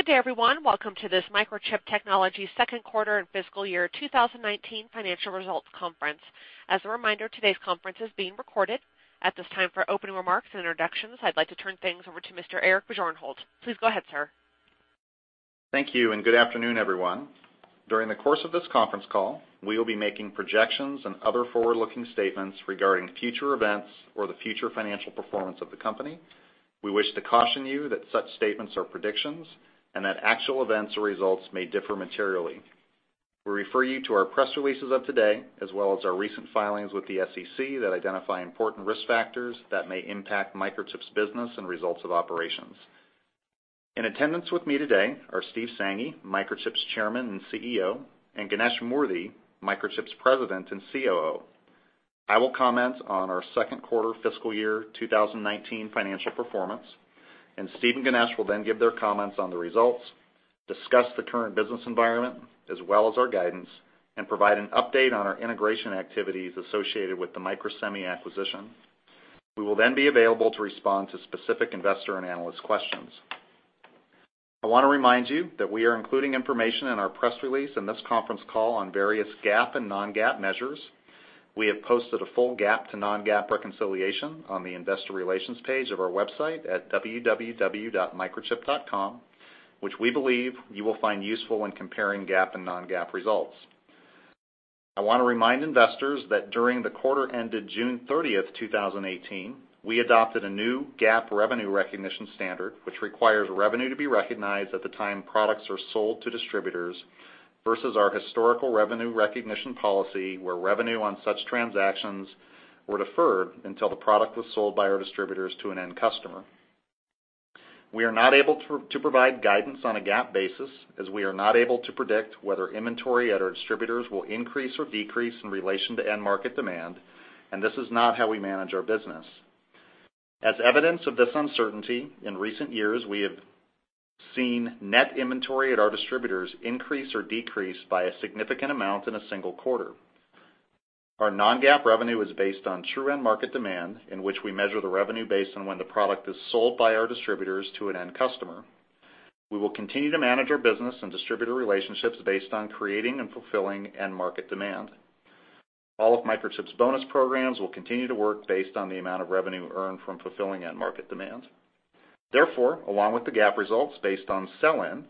Good day, everyone. Welcome to this Microchip Technology Second Quarter and Fiscal Year 2019 Financial Results Conference. As a reminder, today's conference is being recorded. At this time, for opening remarks and introductions, I'd like to turn things over to Mr. Eric Bjornholt. Please go ahead, sir. Thank you. Good afternoon, everyone. During the course of this conference call, we will be making projections and other forward-looking statements regarding future events or the future financial performance of the company. We wish to caution you that such statements are predictions and that actual events or results may differ materially. We refer you to our press releases of today, as well as our recent filings with the SEC that identify important risk factors that may impact Microchip's business and results of operations. In attendance with me today are Steve Sanghi, Microchip's Chairman and CEO; and Ganesh Moorthy, Microchip's President and COO. I will comment on our second quarter fiscal year 2019 financial performance, and Steve and Ganesh will then give their comments on the results, discuss the current business environment, as well as our guidance, and provide an update on our integration activities associated with the Microsemi acquisition. We will then be available to respond to specific investor and analyst questions. I want to remind you that we are including information in our press release in this conference call on various GAAP and non-GAAP measures. We have posted a full GAAP to non-GAAP reconciliation on the investor relations page of our website at www.microchip.com, which we believe you will find useful when comparing GAAP and non-GAAP results. I want to remind investors that during the quarter ended June 30th, 2018, we adopted a new GAAP revenue recognition standard, which requires revenue to be recognized at the time products are sold to distributors versus our historical revenue recognition policy, where revenue on such transactions were deferred until the product was sold by our distributors to an end customer. We are not able to provide guidance on a GAAP basis, as we are not able to predict whether inventory at our distributors will increase or decrease in relation to end market demand, and this is not how we manage our business. As evidence of this uncertainty, in recent years, we have seen net inventory at our distributors increase or decrease by a significant amount in a single quarter. Our non-GAAP revenue is based on true end market demand, in which we measure the revenue based on when the product is sold by our distributors to an end customer. We will continue to manage our business and distributor relationships based on creating and fulfilling end market demand. All of Microchip's bonus programs will continue to work based on the amount of revenue earned from fulfilling end market demand. Therefore, along with the GAAP results based on sell-in,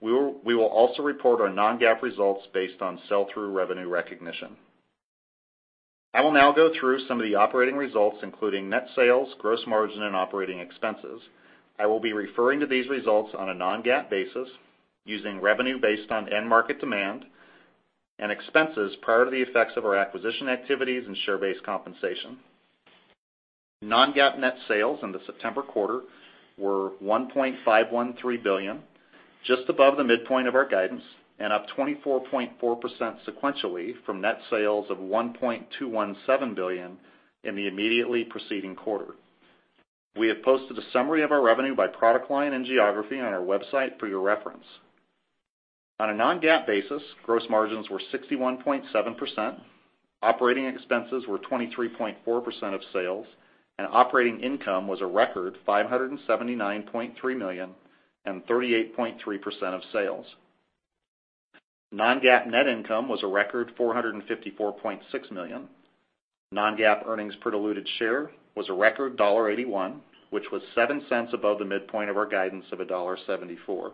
we will also report our non-GAAP results based on sell-through revenue recognition. I will now go through some of the operating results, including net sales, gross margin, and operating expenses. I will be referring to these results on a non-GAAP basis using revenue based on end market demand and expenses prior to the effects of our acquisition activities and share-based compensation. Non-GAAP net sales in the September quarter were $1.513 billion, just above the midpoint of our guidance and up 24.4% sequentially from net sales of $1.217 billion in the immediately preceding quarter. We have posted a summary of our revenue by product line and geography on our website for your reference. On a non-GAAP basis, gross margins were 61.7%, operating expenses were 23.4% of sales, and operating income was a record $579.3 million and 38.3% of sales. Non-GAAP net income was a record $454.6 million. Non-GAAP earnings per diluted share was a record $1.81, which was $0.07 above the midpoint of our guidance of $1.74.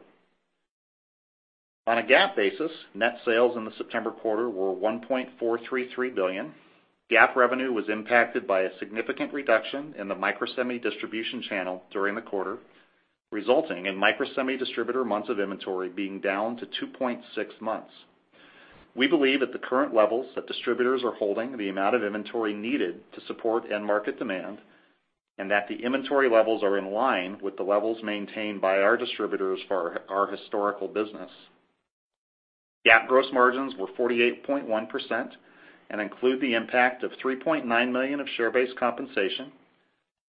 On a GAAP basis, net sales in the September quarter were $1.433 billion. GAAP revenue was impacted by a significant reduction in the Microsemi distribution channel during the quarter, resulting in Microsemi distributor months of inventory being down to 2.6 months. We believe at the current levels that distributors are holding the amount of inventory needed to support end market demand, and that the inventory levels are in line with the levels maintained by our distributors for our historical business. GAAP gross margins were 48.1% and include the impact of $3.9 million of share-based compensation,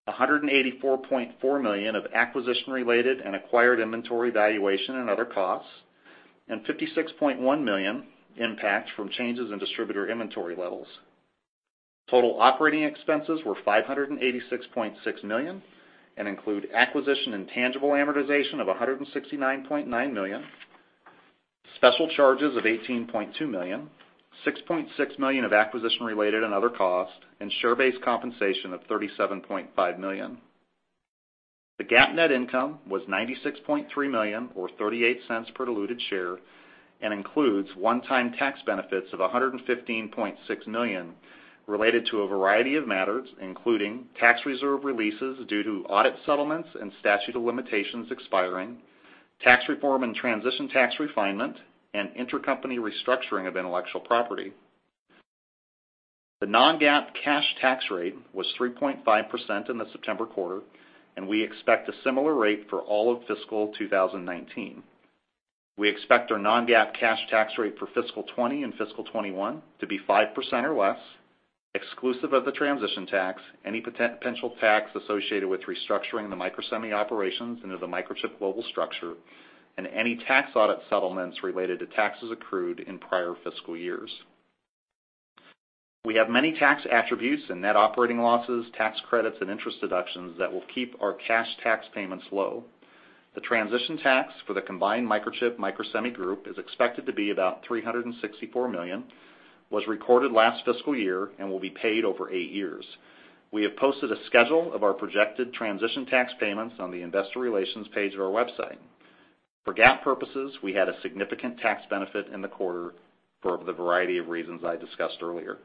$184.4 million of acquisition-related and acquired inventory valuation and other costs, and $56.1 million impact from changes in distributor inventory levels. Total operating expenses were $586.6 million and include acquisition and tangible amortization of $169.9 million, special charges of $18.2 million, $6.6 million of acquisition-related and other cost, and share-based compensation of $37.5 million. The GAAP net income was $96.3 million or $0.38 per diluted share and includes one-time tax benefits of $115.6 million related to a variety of matters, including tax reserve releases due to audit settlements and statute of limitations expiring, tax reform and transition tax refinement, and intercompany restructuring of intellectual property. The non-GAAP cash tax rate was 3.5% in the September quarter, and we expect a similar rate for all of fiscal 2019. We expect our non-GAAP cash tax rate for fiscal 2020 and fiscal 2021 to be 5% or less, exclusive of the transition tax, any potential tax associated with restructuring the Microsemi operations into the Microchip global structure, and any tax audit settlements related to taxes accrued in prior fiscal years. We have many tax attributes and net operating losses, tax credits, and interest deductions that will keep our cash tax payments low. The transition tax for the combined Microchip Microsemi group is expected to be about $364 million, was recorded last fiscal year, and will be paid over eight years. We have posted a schedule of our projected transition tax payments on the investor relations page of our website. For GAAP purposes, we had a significant tax benefit in the quarter for the variety of reasons I discussed earlier.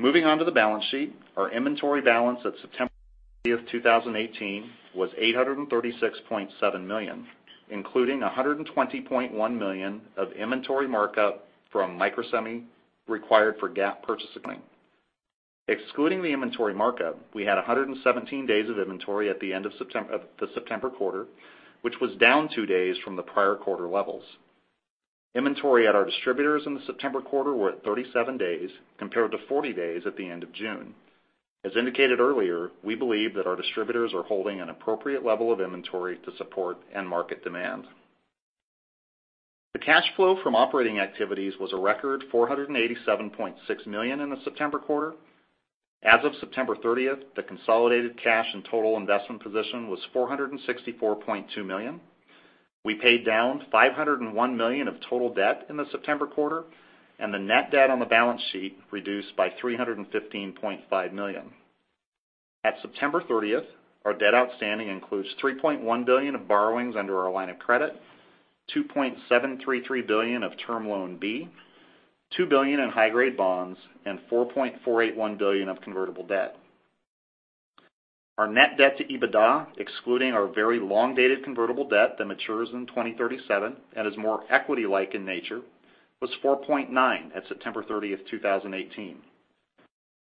Moving on to the balance sheet. Our inventory balance at September 30th, 2018, was $836.7 million, including $120.1 million of inventory markup from Microsemi required for GAAP purchase accounting. Excluding the inventory markup, we had 117 days of inventory at the end of the September quarter, which was down two days from the prior quarter levels. Inventory at our distributors in the September quarter were at 37 days, compared to 40 days at the end of June. As indicated earlier, we believe that our distributors are holding an appropriate level of inventory to support end market demand. The cash flow from operating activities was a record $487.6 million in the September quarter. As of September 30th, the consolidated cash and total investment position was $464.2 million. We paid down $501 million of total debt in the September quarter, and the net debt on the balance sheet reduced by $315.5 million. At September 30th, our debt outstanding includes $3.1 billion of borrowings under our line of credit, $2.733 billion of Term Loan B, $2 billion in high-grade bonds, and $4.481 billion of convertible debt. Our net debt to EBITDA, excluding our very long-dated convertible debt that matures in 2037 and is more equity-like in nature, was $4.9 billion at September 30th, 2018.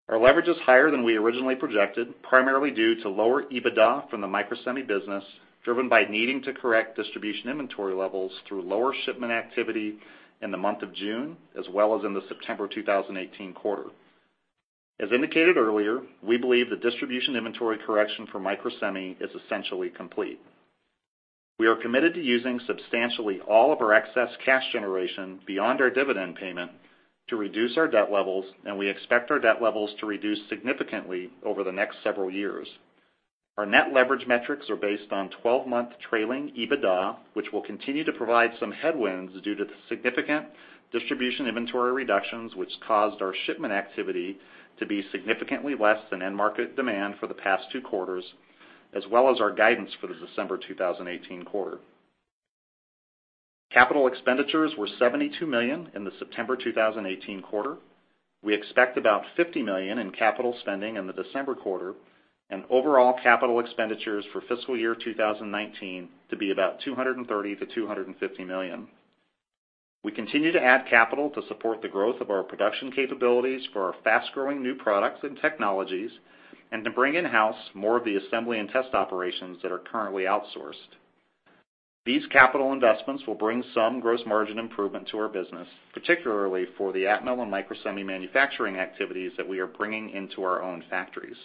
Our leverage is higher than we originally projected, primarily due to lower EBITDA from the Microsemi business, driven by needing to correct distribution inventory levels through lower shipment activity in the month of June, as well as in the September 2018 quarter. As indicated earlier, we believe the distribution inventory correction for Microsemi is essentially complete. We are committed to using substantially all of our excess cash generation beyond our dividend payment to reduce our debt levels. We expect our debt levels to reduce significantly over the next several years. Our net leverage metrics are based on 12-month trailing EBITDA, which will continue to provide some headwinds due to the significant distribution inventory reductions, which caused our shipment activity to be significantly less than end market demand for the past two quarters, as well as our guidance for the December 2018 quarter. Capital expenditures were $72 million in the September 2018 quarter. We expect about $50 million in capital spending in the December quarter, and overall capital expenditures for fiscal year 2019 to be about $230 million-$250 million. We continue to add capital to support the growth of our production capabilities for our fast-growing new products and technologies, and to bring in-house more of the assembly and test operations that are currently outsourced. These capital investments will bring some gross margin improvement to our business, particularly for the Atmel and Microsemi manufacturing activities that we are bringing into our own factories.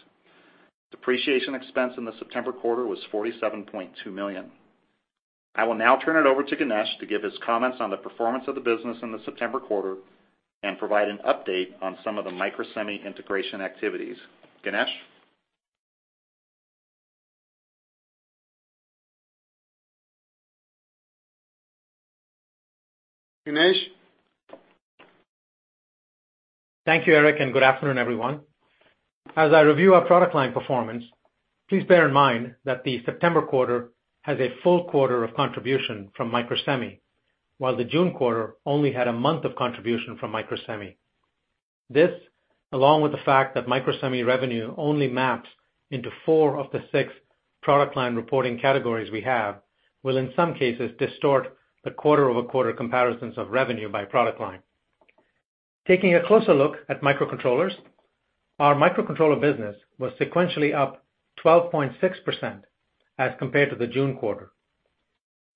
Depreciation expense in the September quarter was $47.2 million. I will now turn it over to Ganesh to give his comments on the performance of the business in the September quarter and provide an update on some of the Microsemi integration activities. Ganesh? Ganesh? Thank you, Eric, and good afternoon, everyone. As I review our product line performance, please bear in mind that the September quarter has a full quarter of contribution from Microsemi, while the June quarter only had a month of contribution from Microsemi. This, along with the fact that Microsemi revenue only maps into four of the six product line reporting categories we have, will, in some cases, distort the quarter-over-quarter comparisons of revenue by product line. Taking a closer look at microcontrollers, our microcontroller business was sequentially up 12.6% as compared to the June quarter.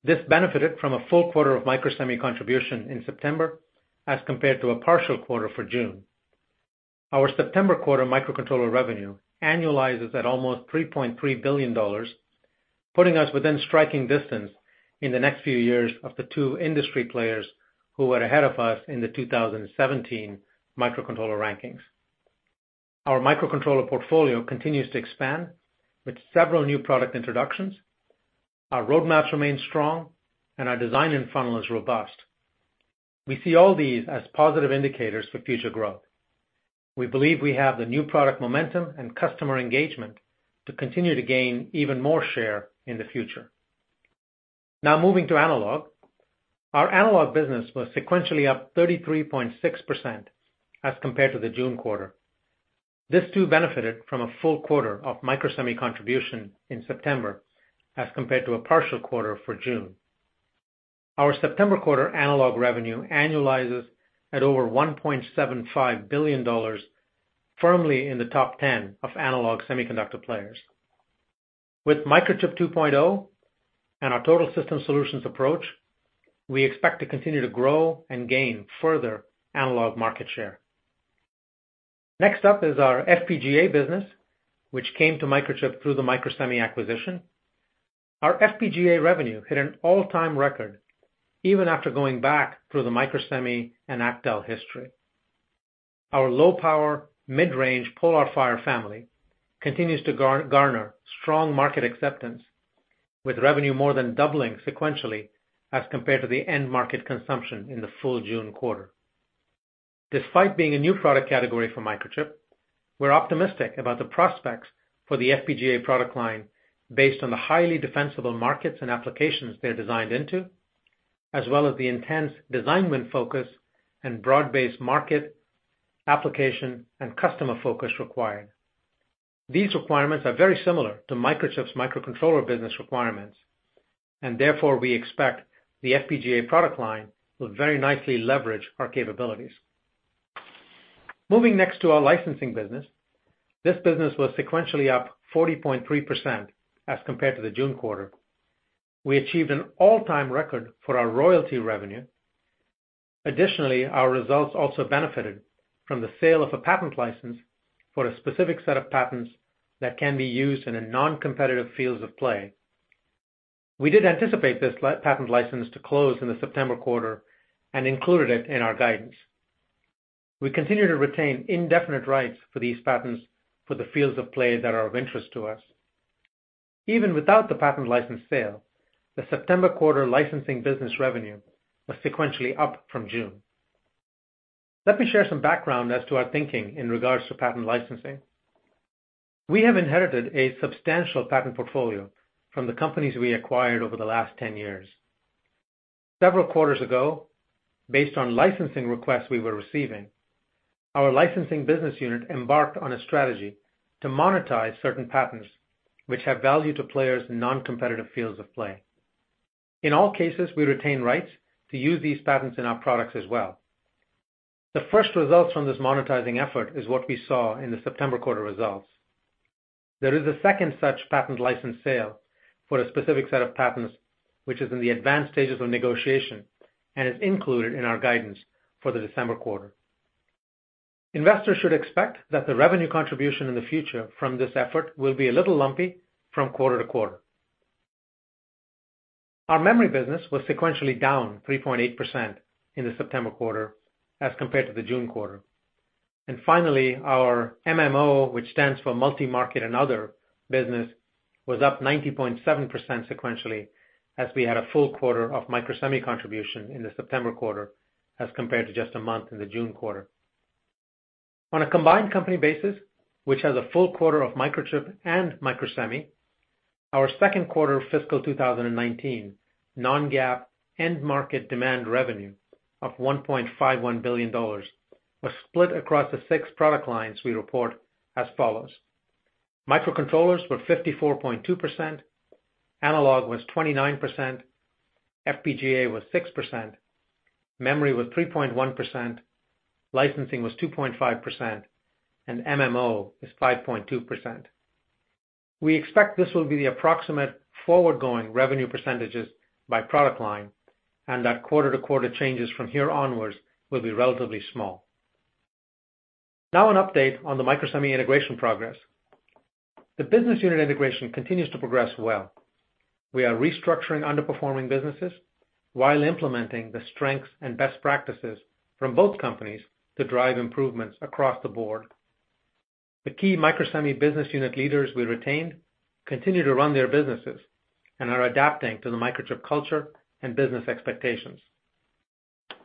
This benefited from a full quarter of Microsemi contribution in September, as compared to a partial quarter for June. Our September quarter microcontroller revenue annualizes at almost $3.3 billion, putting us within striking distance in the next few years of the two industry players who were ahead of us in the 2017 microcontroller rankings. Our microcontroller portfolio continues to expand with several new product introductions. Our roadmaps remain strong, and our design and funnel is robust. We see all these as positive indicators for future growth. We believe we have the new product momentum and customer engagement to continue to gain even more share in the future. Moving to analog. Our analog business was sequentially up 33.6% as compared to the June quarter. This too benefited from a full quarter of Microsemi contribution in September, as compared to a partial quarter for June. Our September quarter analog revenue annualizes at over $1.75 billion, firmly in the top 10 of analog semiconductor players. With Microchip 2.0 and our total system solutions approach, we expect to continue to grow and gain further analog market share. Next up is our FPGA business, which came to Microchip through the Microsemi acquisition. Our FPGA revenue hit an all-time record, even after going back through the Microsemi and Actel history. Our low power mid-range PolarFire family continues to garner strong market acceptance, with revenue more than doubling sequentially as compared to the end market consumption in the full June quarter. Despite being a new product category for Microchip, we're optimistic about the prospects for the FPGA product line based on the highly defensible markets and applications they're designed into, as well as the intense design win focus and broad-based market application and customer focus required. These requirements are very similar to Microchip's microcontroller business requirements, and therefore, we expect the FPGA product line will very nicely leverage our capabilities. Moving next to our licensing business. This business was sequentially up 40.3% as compared to the June quarter. We achieved an all-time record for our royalty revenue. Additionally, our results also benefited from the sale of a patent license for a specific set of patents that can be used in a non-competitive fields of play. We did anticipate this patent license to close in the September quarter and included it in our guidance. We continue to retain indefinite rights for these patents for the fields of play that are of interest to us. Even without the patent license sale, the September quarter licensing business revenue was sequentially up from June. Let me share some background as to our thinking in regards to patent licensing. We have inherited a substantial patent portfolio from the companies we acquired over the last 10 years. Several quarters ago, based on licensing requests we were receiving, our licensing business unit embarked on a strategy to monetize certain patents which have value to players in non-competitive fields of play. In all cases, we retain rights to use these patents in our products as well. The first results from this monetizing effort is what we saw in the September quarter results. There is a second such patent license sale for a specific set of patents, which is in the advanced stages of negotiation and is included in our guidance for the December quarter. Investors should expect that the revenue contribution in the future from this effort will be a little lumpy from quarter to quarter. Our memory business was sequentially down 3.8% in the September quarter as compared to the June quarter. Finally, our MMO, which stands for multi-market and other business, was up 90.7% sequentially as we had a full quarter of Microsemi contribution in the September quarter, as compared to just a month in the June quarter. On a combined company basis, which has a full quarter of Microchip and Microsemi, our second quarter fiscal 2019 non-GAAP end-market demand revenue of $1.51 billion was split across the six product lines we report as follows. Microcontrollers were 54.2%, analog was 29%, FPGA was 6%, memory was 3.1%, licensing was 2.5%, and MMO is 5.2%. We expect this will be the approximate forward-going revenue percentages by product line, and that quarter-to-quarter changes from here onwards will be relatively small. Now an update on the Microsemi integration progress. The business unit integration continues to progress well. We are restructuring underperforming businesses while implementing the strengths and best practices from both companies to drive improvements across the board. The key Microsemi business unit leaders we retained continue to run their businesses and are adapting to the Microchip culture and business expectations.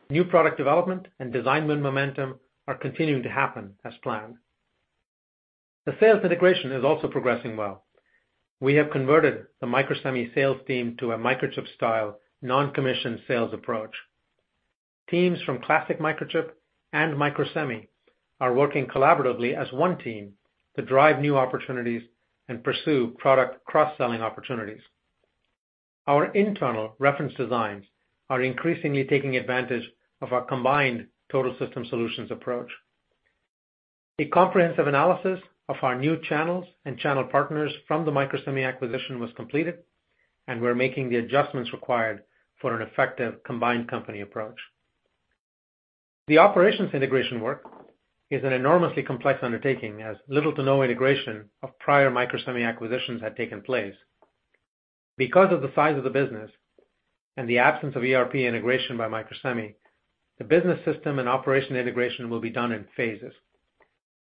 New product development and design win momentum are continuing to happen as planned. The sales integration is also progressing well. We have converted the Microsemi sales team to a Microchip style non-commission sales approach. Teams from classic Microchip and Microsemi are working collaboratively as one team to drive new opportunities and pursue product cross-selling opportunities. Our internal reference designs are increasingly taking advantage of our combined total system solutions approach. A comprehensive analysis of our new channels and channel partners from the Microsemi acquisition was completed, and we're making the adjustments required for an effective combined company approach. The operations integration work is an enormously complex undertaking, as little to no integration of prior Microsemi acquisitions had taken place. Because of the size of the business and the absence of ERP integration by Microsemi, the business system and operation integration will be done in phases.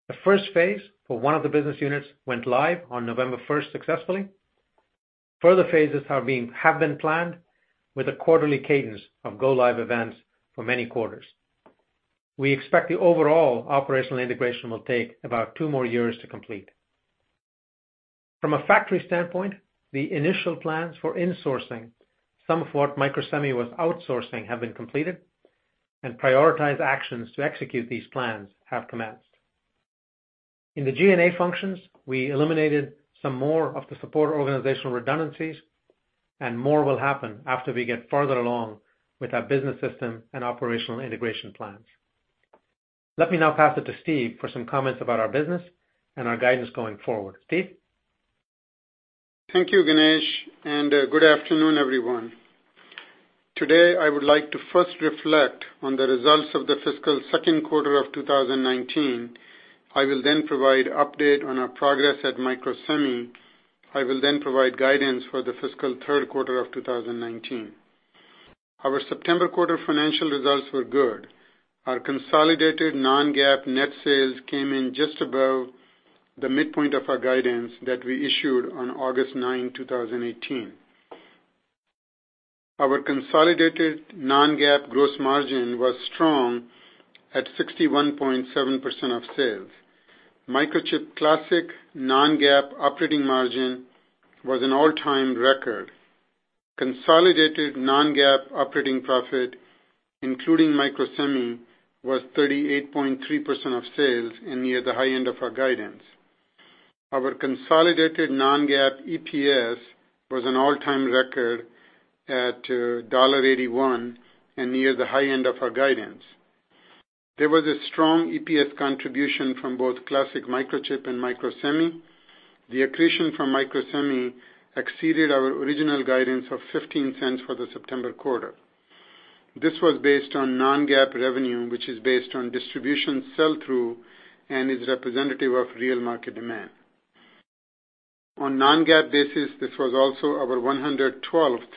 The first phase for one of the business units went live on November 1st successfully. Further phases have been planned with a quarterly cadence of go live events for many quarters. We expect the overall operational integration will take about two more years to complete. From a factory standpoint, the initial plans for insourcing some of what Microsemi was outsourcing have been completed and prioritized actions to execute these plans have commenced. In the G&A functions, we eliminated some more of the support organizational redundancies, and more will happen after we get farther along with our business system and operational integration plans. Let me now pass it to Steve for some comments about our business and our guidance going forward. Steve? Thank you, Ganesh, and good afternoon, everyone. Today, I would like to first reflect on the results of the fiscal second quarter of 2019. I will then provide update on our progress at Microsemi. I will then provide guidance for the fiscal third quarter of 2019. Our September quarter financial results were good. Our consolidated non-GAAP net sales came in just above the midpoint of our guidance that we issued on August nine, 2018. Our consolidated non-GAAP gross margin was strong at 61.7% of sales. Microchip classic non-GAAP operating margin was an all-time record. Consolidated non-GAAP operating profit, including Microsemi, was 38.3% of sales and near the high end of our guidance. Our consolidated non-GAAP EPS was an all-time record at $1.81, and near the high end of our guidance. There was a strong EPS contribution from both classic Microchip and Microsemi. The accretion from Microsemi exceeded our original guidance of $0.15 for the September quarter. This was based on non-GAAP revenue, which is based on distribution sell-through and is representative of real market demand. On non-GAAP basis, this was also our 112th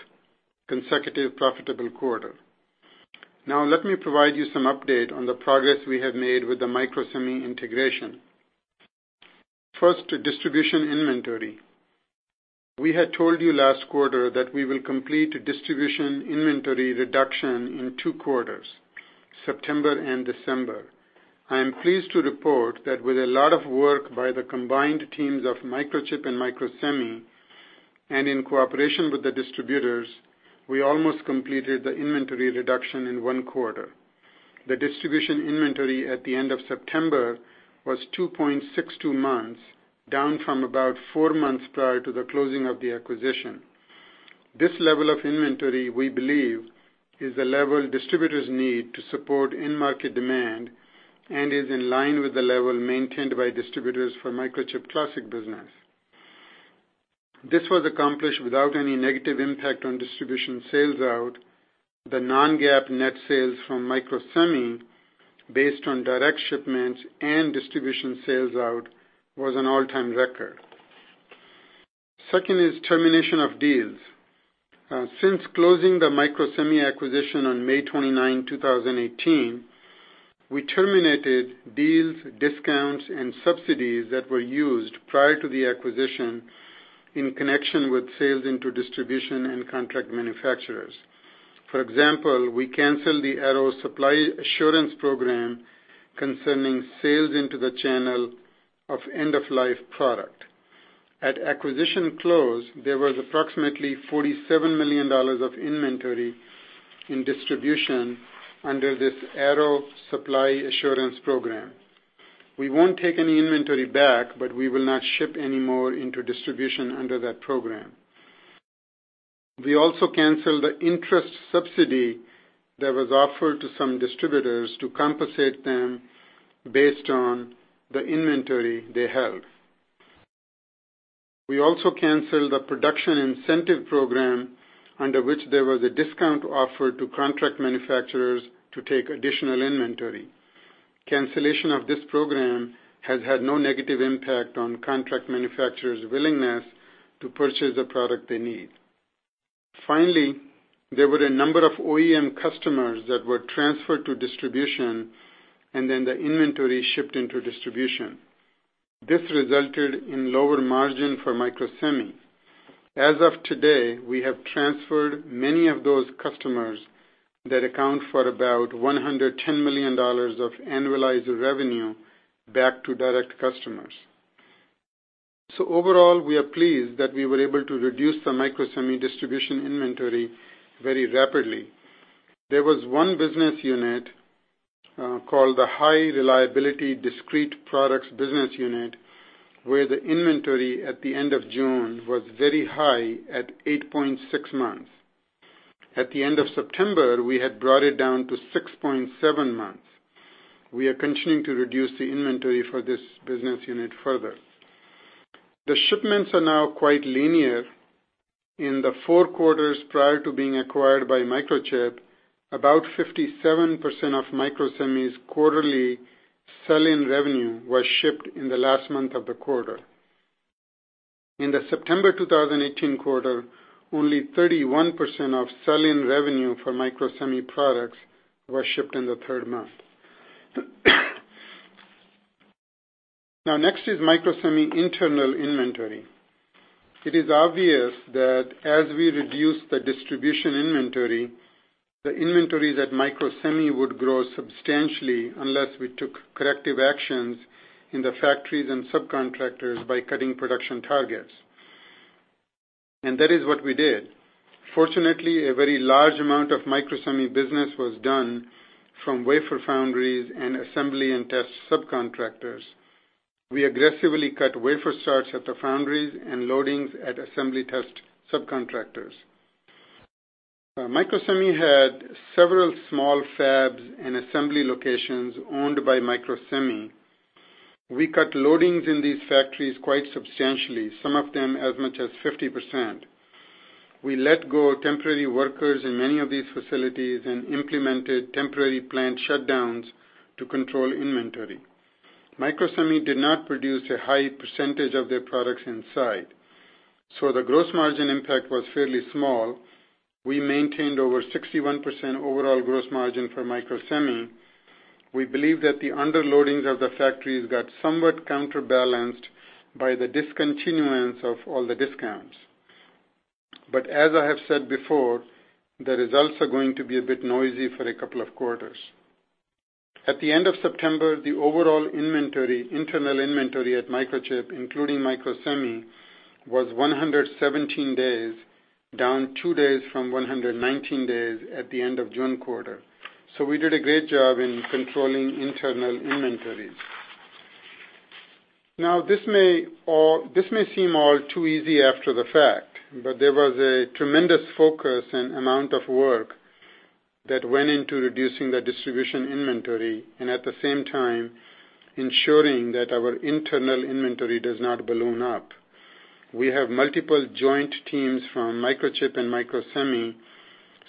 consecutive profitable quarter. Let me provide you some update on the progress we have made with the Microsemi integration. First, distribution inventory. We had told you last quarter that we will complete a distribution inventory reduction in two quarters, September and December. I am pleased to report that with a lot of work by the combined teams of Microchip and Microsemi, and in cooperation with the distributors, we almost completed the inventory reduction in one quarter. The distribution inventory at the end of September was 2.62 months, down from about four months prior to the closing of the acquisition. This level of inventory, we believe, is the level distributors need to support end market demand, and is in line with the level maintained by distributors for Microchip classic business. This was accomplished without any negative impact on distribution sales out. The non-GAAP net sales from Microsemi, based on direct shipments and distribution sales out, was an all-time record. Second is termination of deals. Since closing the Microsemi acquisition on May 29, 2018, we terminated deals, discounts, and subsidies that were used prior to the acquisition in connection with sales into distribution and contract manufacturers. For example, we canceled the Arrow Supply Assurance program concerning sales into the channel of end-of-life product. At acquisition close, there was approximately $47 million of inventory in distribution under this Arrow Supply Assurance program. We won't take any inventory back, we will not ship any more into distribution under that program. We also canceled the interest subsidy that was offered to some distributors to compensate them based on the inventory they held. We also canceled the production incentive program, under which there was a discount offered to contract manufacturers to take additional inventory. Cancellation of this program has had no negative impact on contract manufacturers willingness to purchase the product they need. Finally, there were a number of OEM customers that were transferred to distribution, and then the inventory shipped into distribution. This resulted in lower margin for Microsemi. As of today, we have transferred many of those customers that account for about $110 million of annualized revenue back to direct customers. Overall, we are pleased that we were able to reduce the Microsemi distribution inventory very rapidly. There was one business unit called the High Reliability Discrete Products business unit, where the inventory at the end of June was very high at 8.6 months. At the end of September, we had brought it down to 6.7 months. We are continuing to reduce the inventory for this business unit further. The shipments are now quite linear. In the four quarters prior to being acquired by Microchip, about 57% of Microsemi's quarterly sell-in revenue was shipped in the last month of the quarter. In the September 2018 quarter, only 31% of sell-in revenue for Microsemi products were shipped in the third month. Next is Microsemi internal inventory. It is obvious that as we reduce the distribution inventory, the inventory that Microsemi would grow substantially unless we took corrective actions in the factories and subcontractors by cutting production targets. That is what we did. Fortunately, a very large amount of Microsemi business was done from wafer foundries and assembly and test subcontractors. We aggressively cut wafer starts at the foundries and loadings at assembly test subcontractors. Microsemi had several small fabs and assembly locations owned by Microsemi We cut loadings in these factories quite substantially, some of them as much as 50%. We let go temporary workers in many of these facilities and implemented temporary plant shutdowns to control inventory. Microsemi did not produce a high percentage of their products inside, so the gross margin impact was fairly small. We maintained over 61% overall gross margin for Microsemi. We believe that the underloadings of the factories got somewhat counterbalanced by the discontinuance of all the discounts. As I have said before, the results are going to be a bit noisy for a couple of quarters. At the end of September, the overall internal inventory at Microchip, including Microsemi, was 117 days, down two days from 119 days at the end of June quarter. We did a great job in controlling internal inventories. This may seem all too easy after the fact, but there was a tremendous focus and amount of work that went into reducing the distribution inventory and at the same time ensuring that our internal inventory does not balloon up. We have multiple joint teams from Microchip and Microsemi,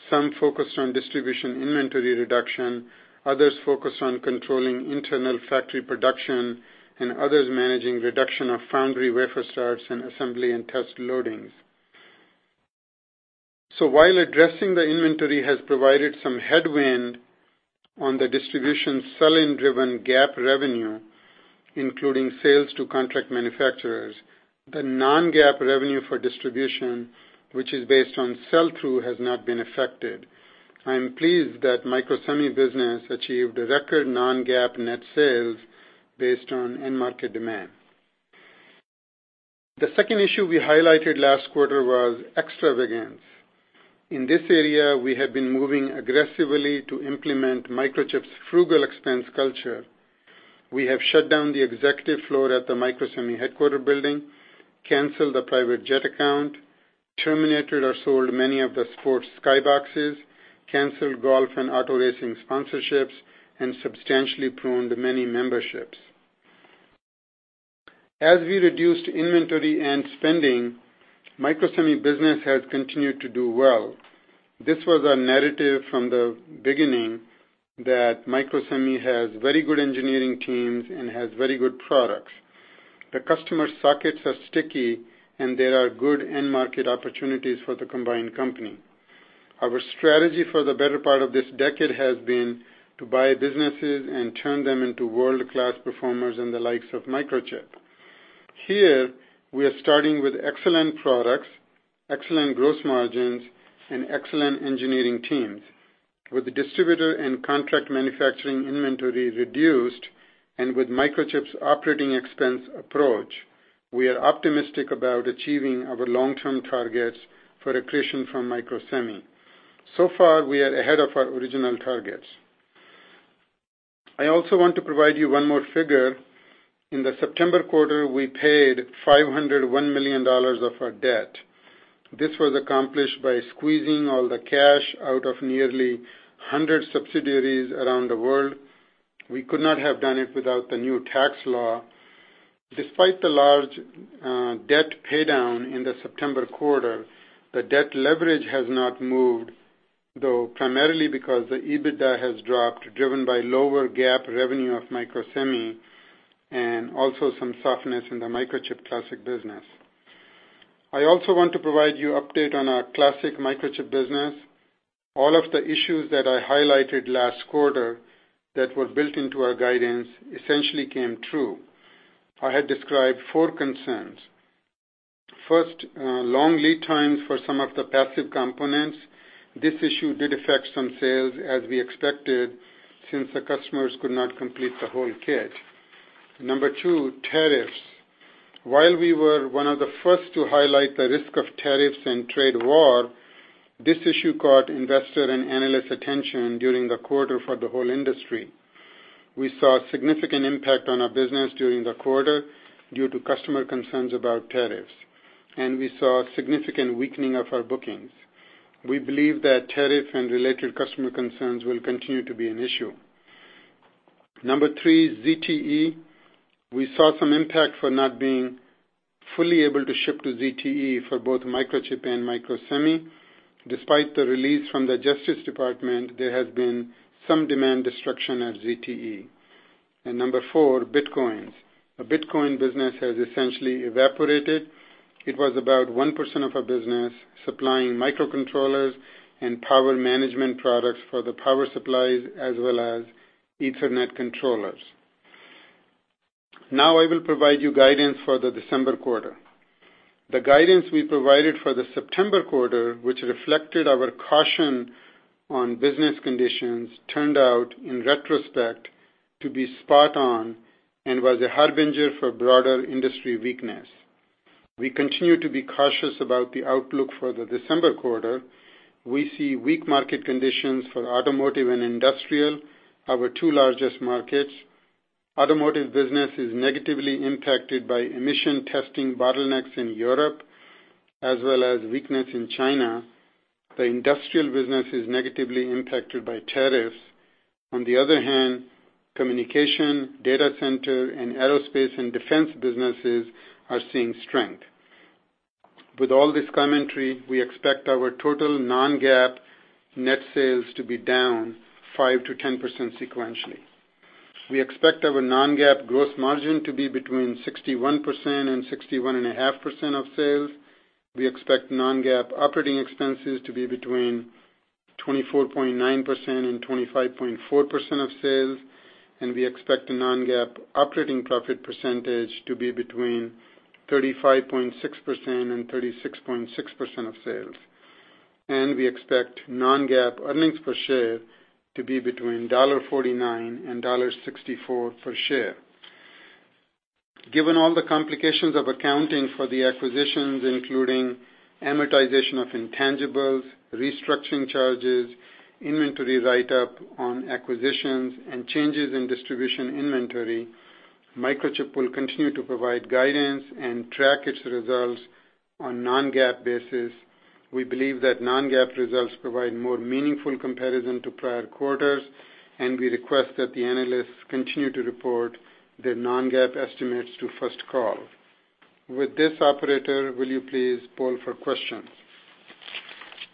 some focused on distribution inventory reduction, others focused on controlling internal factory production, and others managing reduction of foundry wafer starts and assembly and test loadings. While addressing the inventory has provided some headwind on the distribution sell-in driven GAAP revenue, including sales to contract manufacturers, the non-GAAP revenue for distribution, which is based on sell-through, has not been affected. I am pleased that Microsemi business achieved a record non-GAAP net sales based on end market demand. The second issue we highlighted last quarter was extravagance. In this area, we have been moving aggressively to implement Microchip's frugal expense culture. We have shut down the executive floor at the Microsemi headquarter building, canceled the private jet account, terminated or sold many of the sports sky boxes, canceled golf and auto racing sponsorships, and substantially pruned many memberships. As we reduced inventory and spending, Microsemi business has continued to do well. This was a narrative from the beginning that Microsemi has very good engineering teams and has very good products. The customer sockets are sticky, and there are good end market opportunities for the combined company. Our strategy for the better part of this decade has been to buy businesses and turn them into world-class performers in the likes of Microchip. Here, we are starting with excellent products, excellent gross margins, and excellent engineering teams. With the distributor and contract manufacturing inventory reduced and with Microchip's operating expense approach, we are optimistic about achieving our long-term targets for accretion from Microsemi. Far, we are ahead of our original targets. I also want to provide you one more figure. In the September quarter, we paid $501 million of our debt. This was accomplished by squeezing all the cash out of nearly 100 subsidiaries around the world. We could not have done it without the new tax law. Despite the large debt paydown in the September quarter, the debt leverage has not moved, though primarily because the EBITDA has dropped, driven by lower GAAP revenue of Microsemi and also some softness in the Microchip classic business. I also want to provide you update on our classic Microchip business. All of the issues that I highlighted last quarter that were built into our guidance essentially came true. I had described four concerns. First, long lead times for some of the passive components. This issue did affect some sales as we expected, since the customers could not complete the whole kit. Number two, tariffs. While we were one of the first to highlight the risk of tariffs and trade war, this issue caught investor and analyst attention during the quarter for the whole industry. We saw significant impact on our business during the quarter due to customer concerns about tariffs, and we saw significant weakening of our bookings. We believe that tariff and related customer concerns will continue to be an issue. Number three, ZTE. We saw some impact for not being fully able to ship to ZTE for both Microchip and Microsemi. Despite the release from the Justice Department, there has been some demand destruction at ZTE. Number four, bitcoins. The bitcoin business has essentially evaporated. It was about 1% of our business supplying microcontrollers and power management products for the power supplies as well as Ethernet controllers. Now I will provide you guidance for the December quarter. The guidance we provided for the September quarter, which reflected our caution on business conditions, turned out in retrospect to be spot on and was a harbinger for broader industry weakness. We continue to be cautious about the outlook for the December quarter. We see weak market conditions for automotive and industrial, our two largest markets. Automotive business is negatively impacted by emission testing bottlenecks in Europe as well as weakness in China. The industrial business is negatively impacted by tariffs. On the other hand, communication, data center, and aerospace and defense businesses are seeing strength. With all this commentary, we expect our total non-GAAP net sales to be down 5%-10% sequentially. We expect our non-GAAP gross margin to be between 61% and 61.5% of sales. We expect non-GAAP operating expenses to be between 24.9% and 25.4% of sales, and we expect non-GAAP operating profit percentage to be between 35.6% and 36.6% of sales. We expect non-GAAP earnings per share to be between $1.49 and $1.64 per share. Given all the complications of accounting for the acquisitions, including amortization of intangibles, restructuring charges, inventory write-up on acquisitions, and changes in distribution inventory, Microchip will continue to provide guidance and track its results on non-GAAP basis. We believe that non-GAAP results provide more meaningful comparison to prior quarters. We request that the analysts continue to report their non-GAAP estimates to First Call. With this, operator, will you please poll for questions?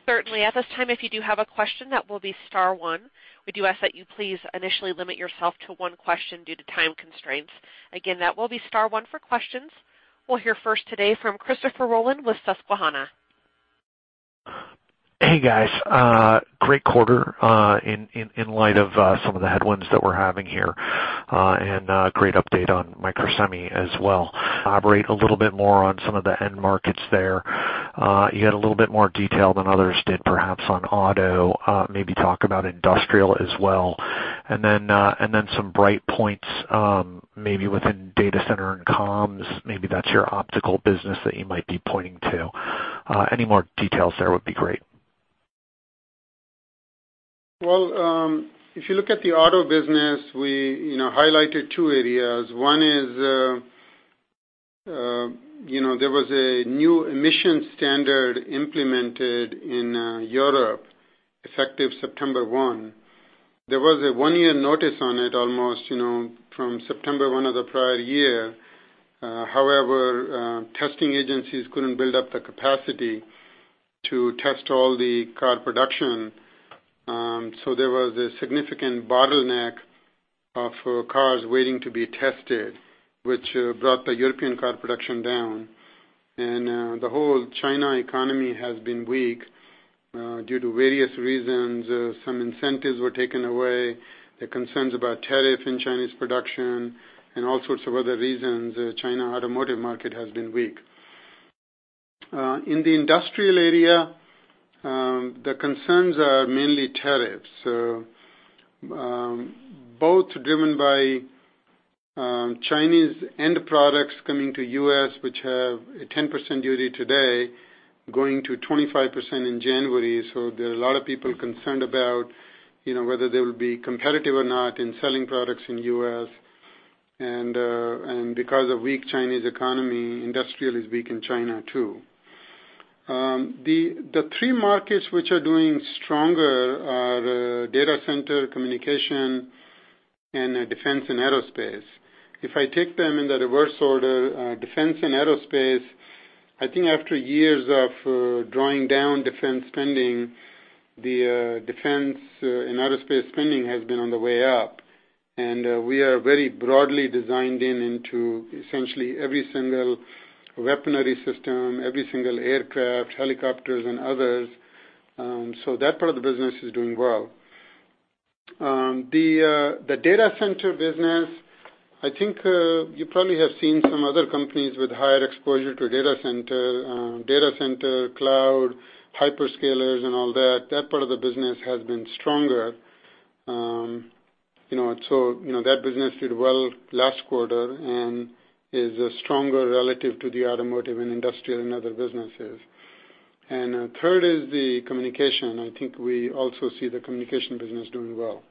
Certainly. At this time, if you do have a question, that will be star one. We do ask that you please initially limit yourself to one question due to time constraints. Again, that will be star one for questions. We'll hear first today from Christopher Rolland with Susquehanna. Hey, guys. Great quarter in light of some of the headwinds that we're having here. Great update on Microsemi as well. Elaborate a little bit more on some of the end markets there. You had a little bit more detail than others did, perhaps on auto. Maybe talk about industrial as well. Some bright points, maybe within data center and comms, maybe that's your optical business that you might be pointing to. Any more details there would be great. Well, if you look at the auto business, we highlighted two areas. One is, there was a new emissions standard implemented in Europe effective September 1. There was a one-year notice on it almost, from September 1 of the prior year. However, testing agencies couldn't build up the capacity to test all the car production, so there was a significant bottleneck of cars waiting to be tested, which brought the European car production down. The whole China economy has been weak due to various reasons. Some incentives were taken away, the concerns about tariff in Chinese production, and all sorts of other reasons China automotive market has been weak. In the industrial area, the concerns are mainly tariffs, both driven by Chinese end products coming to U.S., which have a 10% duty today, going to 25% in January. There are a lot of people concerned about whether they will be competitive or not in selling products in U.S., and because of weak Chinese economy, industrial is weak in China, too. The three markets which are doing stronger are the data center, communication, and defense and aerospace. If I take them in the reverse order, defense and aerospace, I think after years of drawing down defense spending, the defense and aerospace spending has been on the way up. We are very broadly designed in into essentially every single weaponry system, every single aircraft, helicopters, and others. That part of the business is doing well. The data center business, I think you probably have seen some other companies with higher exposure to data center, cloud, hyperscalers and all that. That part of the business has been stronger. That business did well last quarter and is stronger relative to the automotive and industrial and other businesses. Third is the communication. I think we also see the communication business doing well.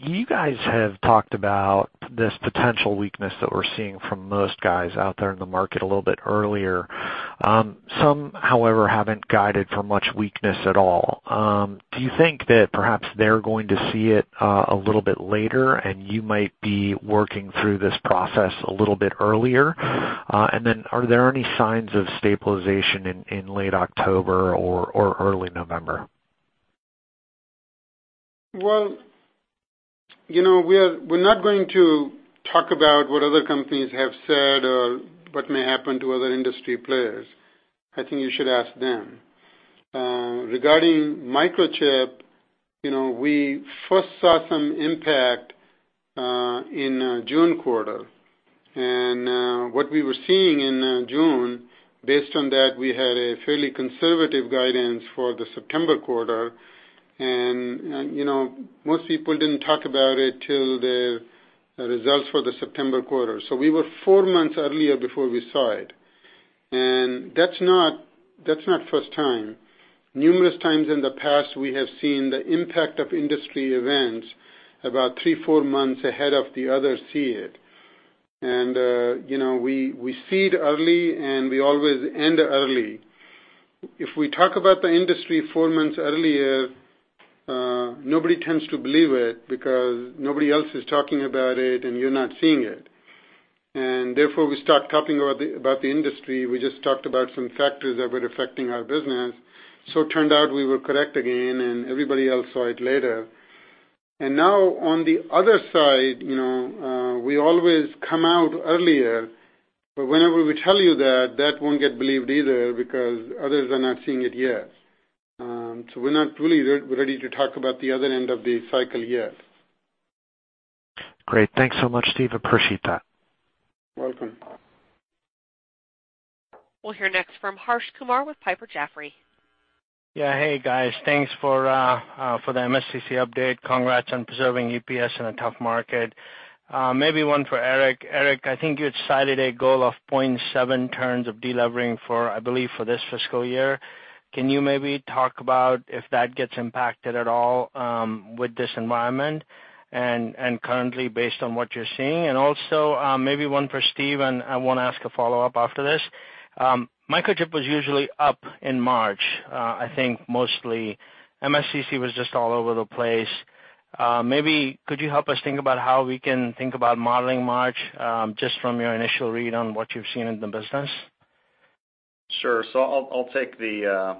You guys have talked about this potential weakness that we're seeing from most guys out there in the market a little bit earlier. Some, however, haven't guided for much weakness at all. Do you think that perhaps they're going to see it a little bit later and you might be working through this process a little bit earlier? Then are there any signs of stabilization in late October or early November? Well, we're not going to talk about what other companies have said or what may happen to other industry players. I think you should ask them. Regarding Microchip, we first saw some impact in June quarter. What we were seeing in June, based on that, we had a fairly conservative guidance for the September quarter. Most people didn't talk about it till the results for the September quarter. We were four months earlier before we saw it. That's not first time. Numerous times in the past, we have seen the impact of industry events about three, four months ahead of the others see it. We see it early and we always end early. If we talk about the industry four months earlier, nobody tends to believe it because nobody else is talking about it, and you're not seeing it. Therefore, we start talking about the industry, we just talked about some factors that were affecting our business. It turned out we were correct again, and everybody else saw it later. Now on the other side, we always come out earlier, but whenever we tell you that won't get believed either because others are not seeing it yet. We're not really ready to talk about the other end of the cycle yet. Great. Thanks so much, Steve. Appreciate that. Welcome. We'll hear next from Harsh Kumar with Piper Jaffray. Yeah. Hey, guys. Thanks for the MSCC update. Congrats on preserving EPS in a tough market. Maybe one for Eric. Eric, I think you had cited a goal of 0.7 turns of delevering, I believe, for this fiscal year. Can you maybe talk about if that gets impacted at all with this environment, and currently based on what you're seeing? Maybe one for Steve, and I want to ask a follow-up after this. Microchip was usually up in March. I think mostly MSCC was just all over the place. Maybe could you help us think about how we can think about modeling March, just from your initial read on what you've seen in the business? Sure. I'll take the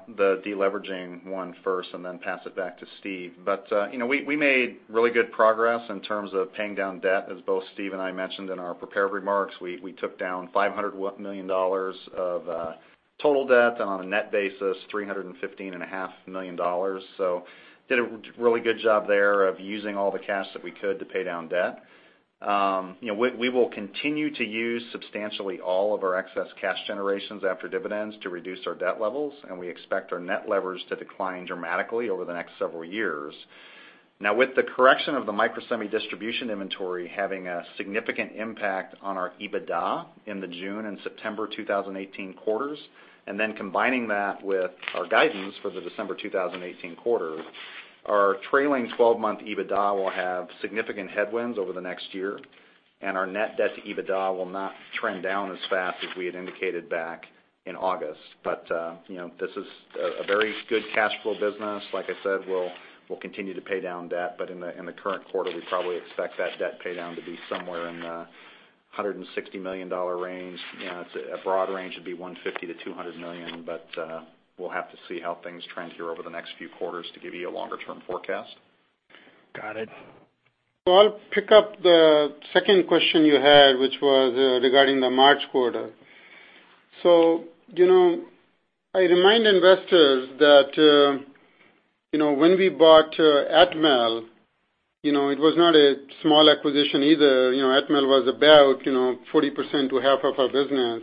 deleveraging one first and then pass it back to Steve. We made really good progress in terms of paying down debt, as both Steve and I mentioned in our prepared remarks. We took down $500 million of total debt on a net basis, $315.5 million. Did a really good job there of using all the cash that we could to pay down debt. We will continue to use substantially all of our excess cash generations after dividends to reduce our debt levels, and we expect our net leverage to decline dramatically over the next several years. Now, with the correction of the Microsemi distribution inventory having a significant impact on our EBITDA in the June and September 2018 quarters, and then combining that with our guidance for the December 2018 quarter, our trailing 12-month EBITDA will have significant headwinds over the next year, and our net debt to EBITDA will not trend down as fast as we had indicated back in August. This is a very good cash flow business. Like I said, we'll continue to pay down debt. In the current quarter, we probably expect that debt paydown to be somewhere in the $160 million range. A broad range would be $150 million-$200 million, we'll have to see how things trend here over the next few quarters to give you a longer-term forecast. Got it. I'll pick up the second question you had, which was regarding the March quarter. I remind investors that when we bought Atmel, it was not a small acquisition either. Atmel was about 40% to half of our business.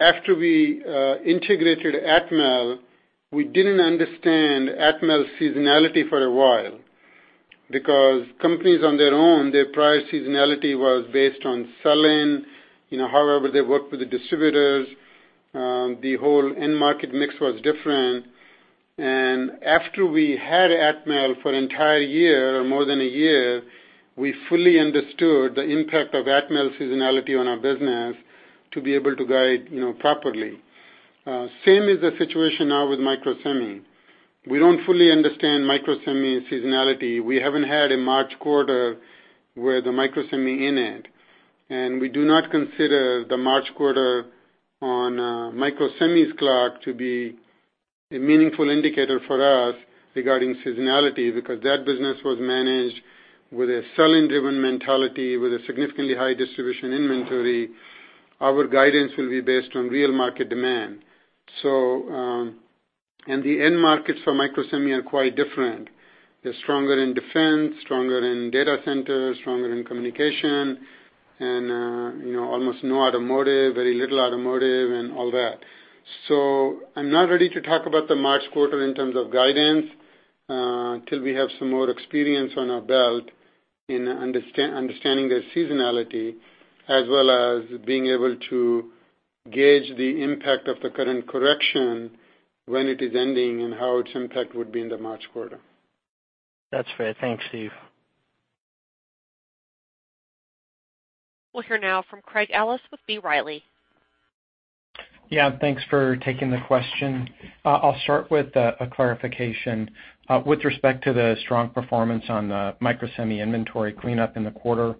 After we integrated Atmel, we didn't understand Atmel's seasonality for a while because companies on their own, their prior seasonality was based on selling, however they worked with the distributors, the whole end market mix was different. After we had Atmel for an entire year or more than a year, we fully understood the impact of Atmel's seasonality on our business to be able to guide properly. Same is the situation now with Microsemi. We don't fully understand Microsemi's seasonality. We haven't had a March quarter with the Microsemi in it. We do not consider the March quarter on Microsemi's clock to be a meaningful indicator for us regarding seasonality, because that business was managed with a selling-driven mentality with a significantly high distribution inventory. Our guidance will be based on real market demand. The end markets for Microsemi are quite different. They're stronger in defense, stronger in data centers, stronger in communication, and almost no automotive, very little automotive and all that. I'm not ready to talk about the March quarter in terms of guidance, until we have some more experience on our belt in understanding their seasonality as well as being able to gauge the impact of the current correction when it is ending and how its impact would be in the March quarter. That's fair. Thanks, Steve. We'll hear now from Craig Ellis with B. Riley. Yeah. Thanks for taking the question. I'll start with a clarification. With respect to the strong performance on the Microsemi inventory cleanup in the quarter,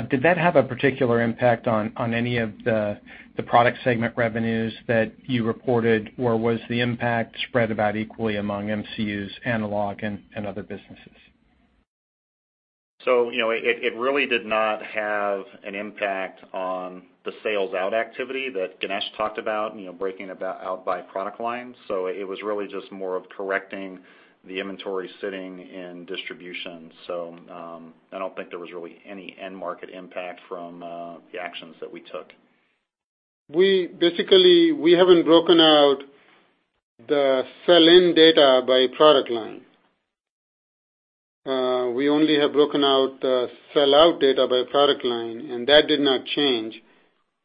did that have a particular impact on any of the product segment revenues that you reported, or was the impact spread about equally among MCUs, analog, and other businesses? It really did not have an impact on the sales out activity that Ganesh talked about, breaking out by product line. It was really just more of correcting the inventory sitting in distribution. I don't think there was really any end market impact from the actions that we took. Basically, we haven't broken out the sell-in data by product line. We only have broken out the sellout data by product line, and that did not change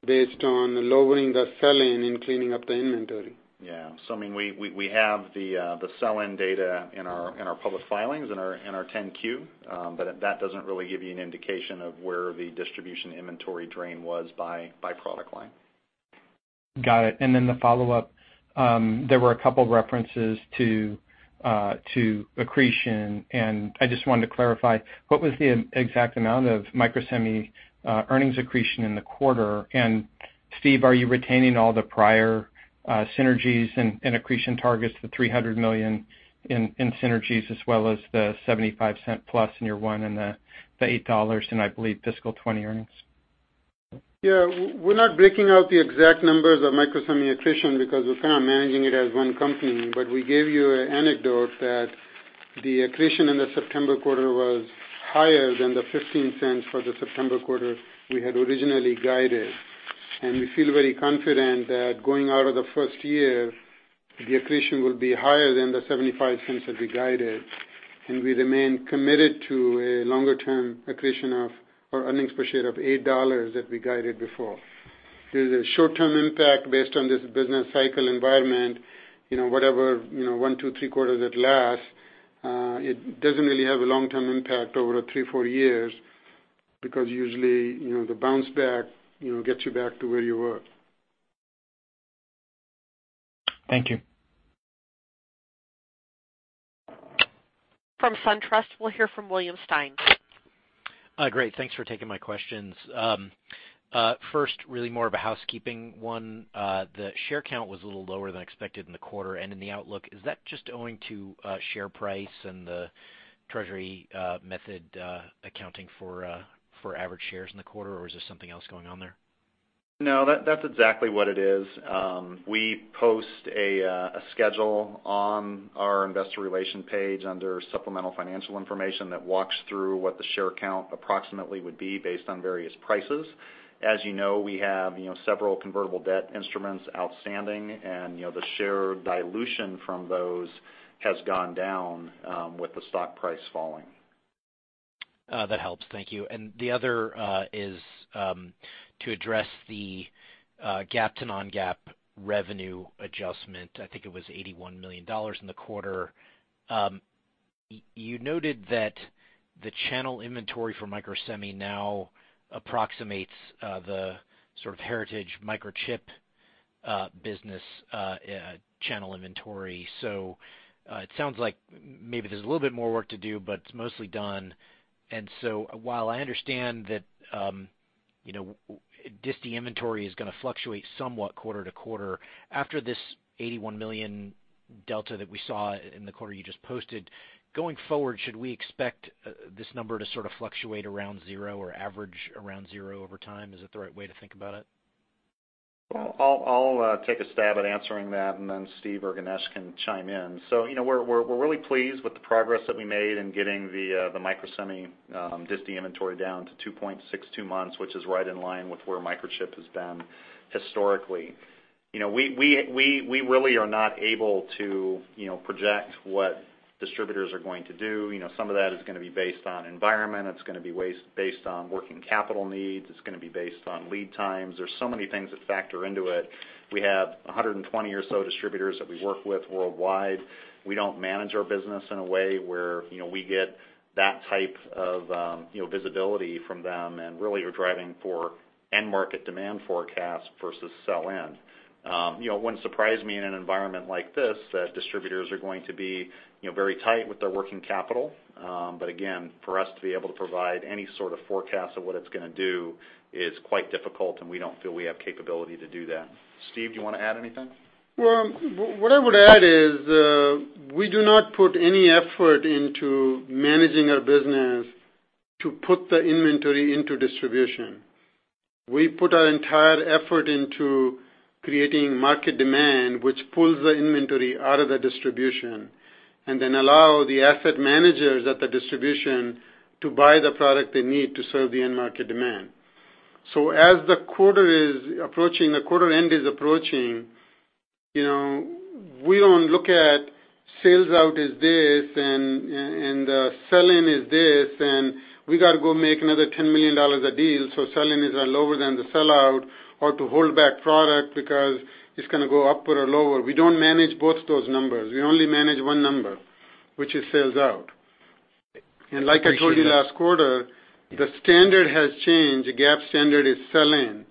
based on lowering the sell-in and cleaning up the inventory. Yeah. We have the sell-in data in our public filings, in our 10-Q, but that doesn't really give you an indication of where the distribution inventory drain was by product line. Got it. Then the follow-up, there were a couple of references to accretion, and I just wanted to clarify, what was the exact amount of Microsemi earnings accretion in the quarter? Steve, are you retaining all the prior synergies and accretion targets, the $300 million in synergies as well as the $0.75 plus in year one and the $8 in, I believe, fiscal 2020 earnings? Yeah. We're not breaking out the exact numbers of Microsemi accretion because we're kind of managing it as one company. We gave you an anecdote that the accretion in the September quarter was higher than the $0.15 for the September quarter we had originally guided. We feel very confident that going out of the first year, the accretion will be higher than the $0.75 that we guided, and we remain committed to a longer-term accretion of, or earnings per share of $8 that we guided before. There's a short-term impact based on this business cycle environment, whatever, one, two, three quarters it lasts, it doesn't really have a long-term impact over three, four years, because usually, the bounce back gets you back to where you were. Thank you. From SunTrust, we'll hear from William Stein. Great. Thanks for taking my questions. First, really more of a housekeeping one. The share count was a little lower than expected in the quarter and in the outlook. Is that just owing to share price and the treasury method accounting for average shares in the quarter, or is there something else going on there? No, that's exactly what it is. We post a schedule on our investor relations page under supplemental financial information that walks through what the share count approximately would be based on various prices. As you know, we have several convertible debt instruments outstanding, the share dilution from those has gone down with the stock price falling. That helps. Thank you. The other is to address the GAAP to non-GAAP revenue adjustment. I think it was $81 million in the quarter. You noted that the channel inventory for Microsemi now approximates the sort of heritage Microchip business channel inventory. It sounds like maybe there's a little bit more work to do, but it's mostly done. While I understand that disti inventory is going to fluctuate somewhat quarter to quarter, after this $81 million delta that we saw in the quarter you just posted, going forward, should we expect this number to sort of fluctuate around zero or average around zero over time? Is that the right way to think about it? I'll take a stab at answering that, Steve or Ganesh can chime in. We're really pleased with the progress that we made in getting the Microsemi disti inventory down to 2.62 months, which is right in line with where Microchip has been historically. We really are not able to project what distributors are going to do. Some of that is going to be based on environment, it's going to be based on working capital needs, it's going to be based on lead times. There's so many things that factor into it. We have 120 or so distributors that we work with worldwide. We don't manage our business in a way where we get that type of visibility from them and really are driving for end market demand forecast versus sell-in. It wouldn't surprise me in an environment like this that distributors are going to be very tight with their working capital. Again, for us to be able to provide any sort of forecast of what it's going to do is quite difficult, and we don't feel we have capability to do that. Steve, do you want to add anything? Well, what I would add is, we do not put any effort into managing our business to put the inventory into distribution. We put our entire effort into creating market demand, which pulls the inventory out of the distribution and then allow the asset managers at the distribution to buy the product they need to serve the end market demand. As the quarter end is approaching, we don't look at sales out is this and the sell-in is this, and we got to go make another $10 million a deal, so sell-in is lower than the sellout or to hold back product because it's going to go upward or lower. We don't manage both those numbers. We only manage one number, which is sales out. Like I told you last quarter, the standard has changed. The GAAP standard is sell-in.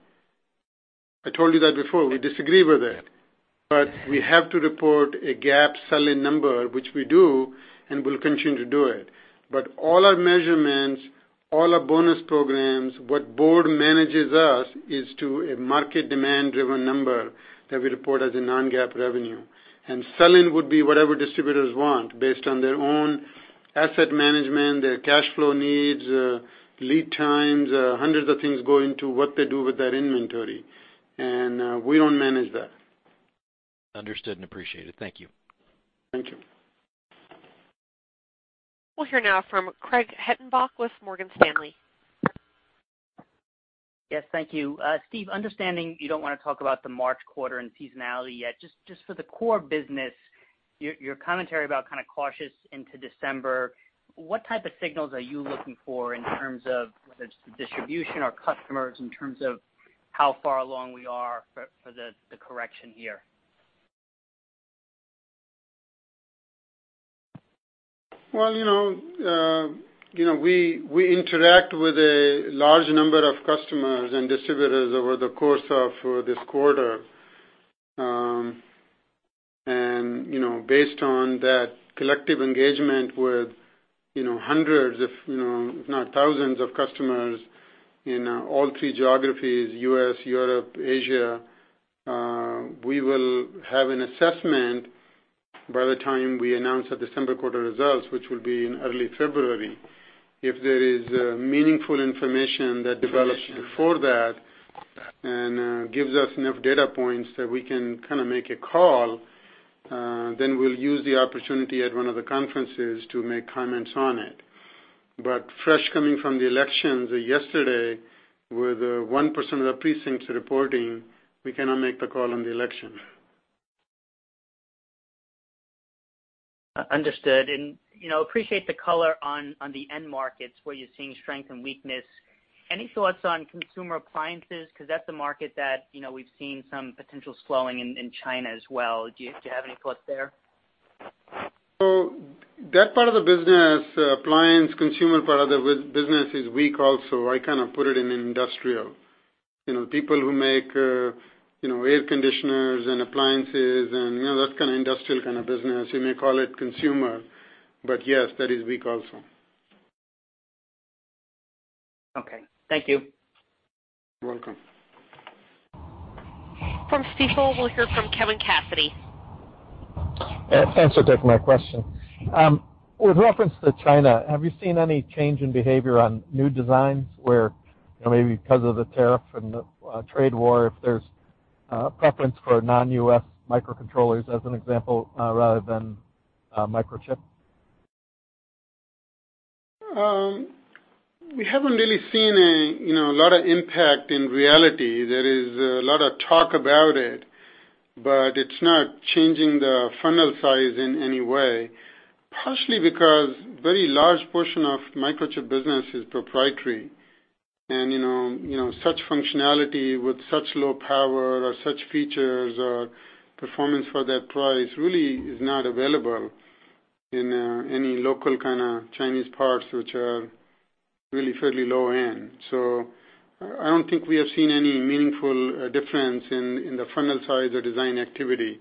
I told you that before, we disagree with that. We have to report a GAAP sell-in number, which we do, and we'll continue to do it. All our measurements, all our bonus programs, what board manages us is to a market demand driven number that we report as a non-GAAP revenue. Sell-in would be whatever distributors want based on their own asset management, their cash flow needs, lead times, hundreds of things go into what they do with that inventory. We don't manage that. Understood and appreciated. Thank you. Thank you. We'll hear now from Craig Hettenbach with Morgan Stanley. Yes, thank you. Steve, understanding you don't want to talk about the March quarter and seasonality yet, just for the core business. Your commentary about kind of cautious into December, what type of signals are you looking for in terms of whether it's the distribution or customers, in terms of how far along we are for the correction here? Well, we interact with a large number of customers and distributors over the course of this quarter. Based on that collective engagement with hundreds, if not thousands, of customers in all three geographies, U.S., Europe, Asia, we will have an assessment by the time we announce our December quarter results, which will be in early February. If there is meaningful information that develops before that and gives us enough data points that we can kind of make a call, then we'll use the opportunity at one of the conferences to make comments on it. Fresh coming from the elections yesterday, with 1% of the precincts reporting, we cannot make the call on the election. Understood. Appreciate the color on the end markets, where you're seeing strength and weakness. Any thoughts on consumer appliances? That's a market that we've seen some potential slowing in China as well. Do you have any thoughts there? That part of the business, appliance, consumer part of the business, is weak also. I kind of put it in industrial. People who make air conditioners and appliances and that's kind of industrial kind of business. You may call it consumer, yes, that is weak also. Okay. Thank you. You're welcome. From Stifel, we'll hear from Kevin Cassidy. Thanks for taking my question. With reference to China, have you seen any change in behavior on new designs where maybe because of the tariff and the trade war, if there's a preference for non-U.S. microcontrollers as an example, rather than Microchip? We haven't really seen a lot of impact in reality. There is a lot of talk about it, but it's not changing the funnel size in any way, partially because very large portion of Microchip business is proprietary. Such functionality with such low power or such features or performance for that price really is not available in any local kind of Chinese parts, which are really fairly low end. I don't think we have seen any meaningful difference in the funnel size or design activity.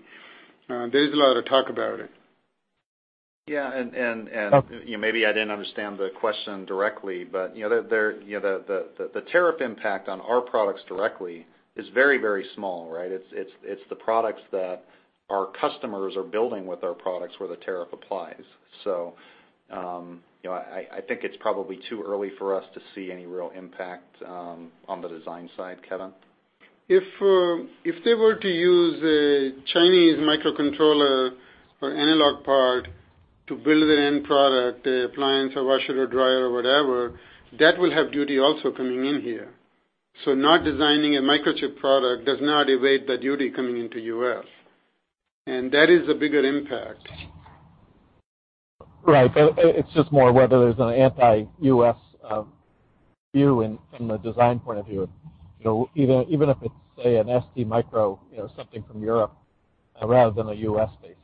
There's a lot of talk about it. Maybe I didn't understand the question directly, but the tariff impact on our products directly is very, very small, right? It's the products that our customers are building with our products where the tariff applies. I think it's probably too early for us to see any real impact on the design side, Kevin. If they were to use a Chinese microcontroller or analog part to build an end product, an appliance, a washer or dryer or whatever, that will have duty also coming in here. Not designing a Microchip product does not evade the duty coming into U.S. That is a bigger impact. Right. It's just more whether there's an anti-U.S. view from a design point of view. Even if it's, say, an ST Micro, something from Europe rather than a U.S.-based.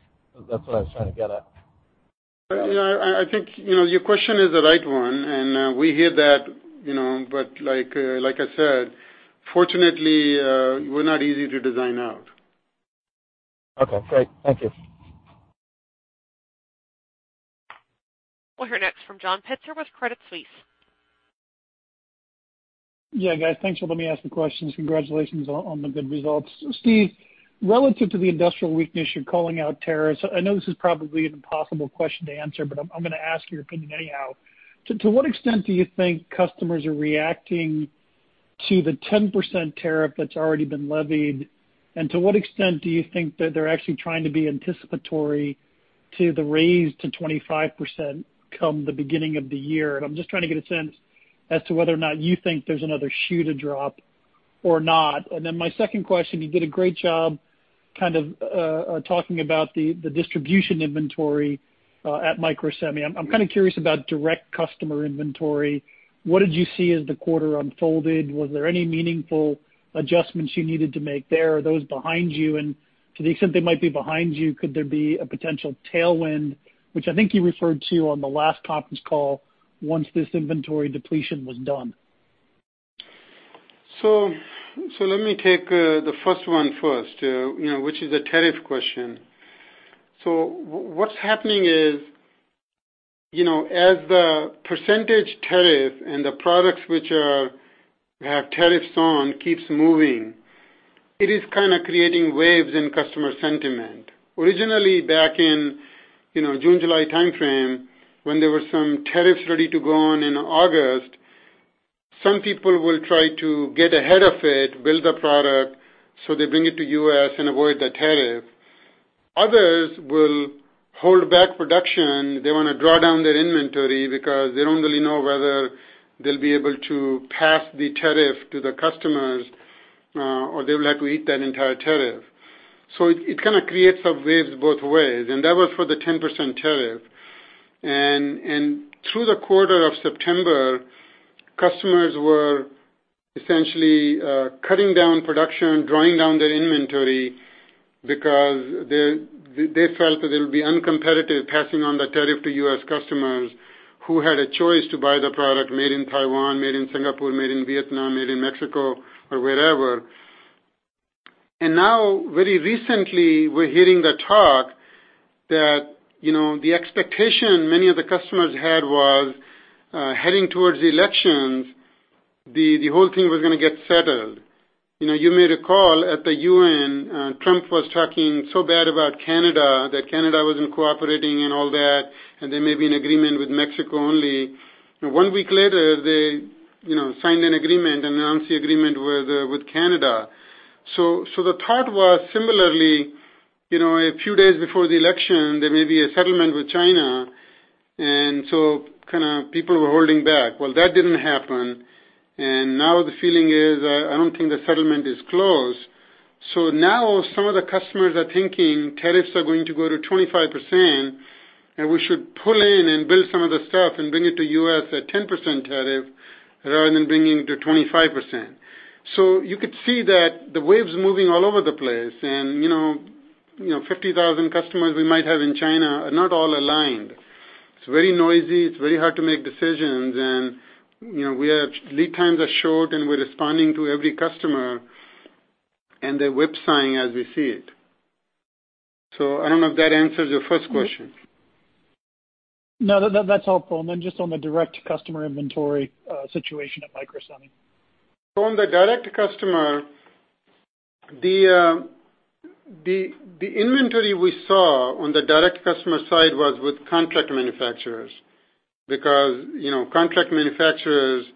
That's what I was trying to get at. I think your question is the right one, and we hear that, but like I said, fortunately, we're not easy to design out. Okay, great. Thank you. We'll hear next from John Pitzer with Credit Suisse. Yeah, guys, thanks for letting me ask the questions. Congratulations on the good results. Steve, relative to the industrial weakness, you're calling out tariffs. I know this is probably an impossible question to answer, but I'm going to ask your opinion anyhow. To what extent do you think customers are reacting to the 10% tariff that's already been levied? To what extent do you think that they're actually trying to be anticipatory to the raise to 25% come the beginning of the year? I'm just trying to get a sense as to whether or not you think there's another shoe to drop or not. My second question, you did a great job kind of talking about the distribution inventory at Microsemi. I'm kind of curious about direct customer inventory. What did you see as the quarter unfolded? Was there any meaningful adjustments you needed to make there? Are those behind you? To the extent they might be behind you, could there be a potential tailwind, which I think you referred to on the last conference call once this inventory depletion was done? Let me take the first one first, which is a tariff question. What's happening is, as the percentage tariff and the products which have tariffs on keeps moving, it is kind of creating waves in customer sentiment. Originally, back in June, July timeframe, when there were some tariffs ready to go on in August, some people will try to get ahead of it, build the product, so they bring it to U.S. and avoid the tariff. Others will hold back production. They want to draw down their inventory because they don't really know whether they'll be able to pass the tariff to the customers or they will have to eat that entire tariff. It kind of creates a wave both ways, and that was for the 10% tariff. Through the quarter of September, customers were essentially cutting down production, drawing down their inventory because they felt that they'll be uncompetitive passing on the tariff to U.S. customers who had a choice to buy the product made in Taiwan, made in Singapore, made in Vietnam, made in Mexico or wherever. Now very recently, we're hearing the talk that the expectation many of the customers had was, heading towards the elections, the whole thing was going to get settled. You made a call at the UN. Trump was talking so bad about Canada, that Canada wasn't cooperating and all that, and there may be an agreement with Mexico only. One week later, they signed an agreement, announced the agreement with Canada. The thought was similarly, a few days before the election, there may be a settlement with China, and people were holding back. Well, that didn't happen, now the feeling is, I don't think the settlement is close. Now some of the customers are thinking tariffs are going to go to 25%, and we should pull in and build some of the stuff and bring it to U.S. at 10% tariff rather than bringing to 25%. You could see that the wave's moving all over the place, and 50,000 customers we might have in China are not all aligned. It's very noisy. It's very hard to make decisions, and lead times are short, and we're responding to every customer, and they're whipsawing as we see it. I don't know if that answers your first question. No, that's helpful. Then just on the direct customer inventory situation at Microsemi. On the direct customer, the inventory we saw on the direct customer side was with contract manufacturers, because contract manufacturers,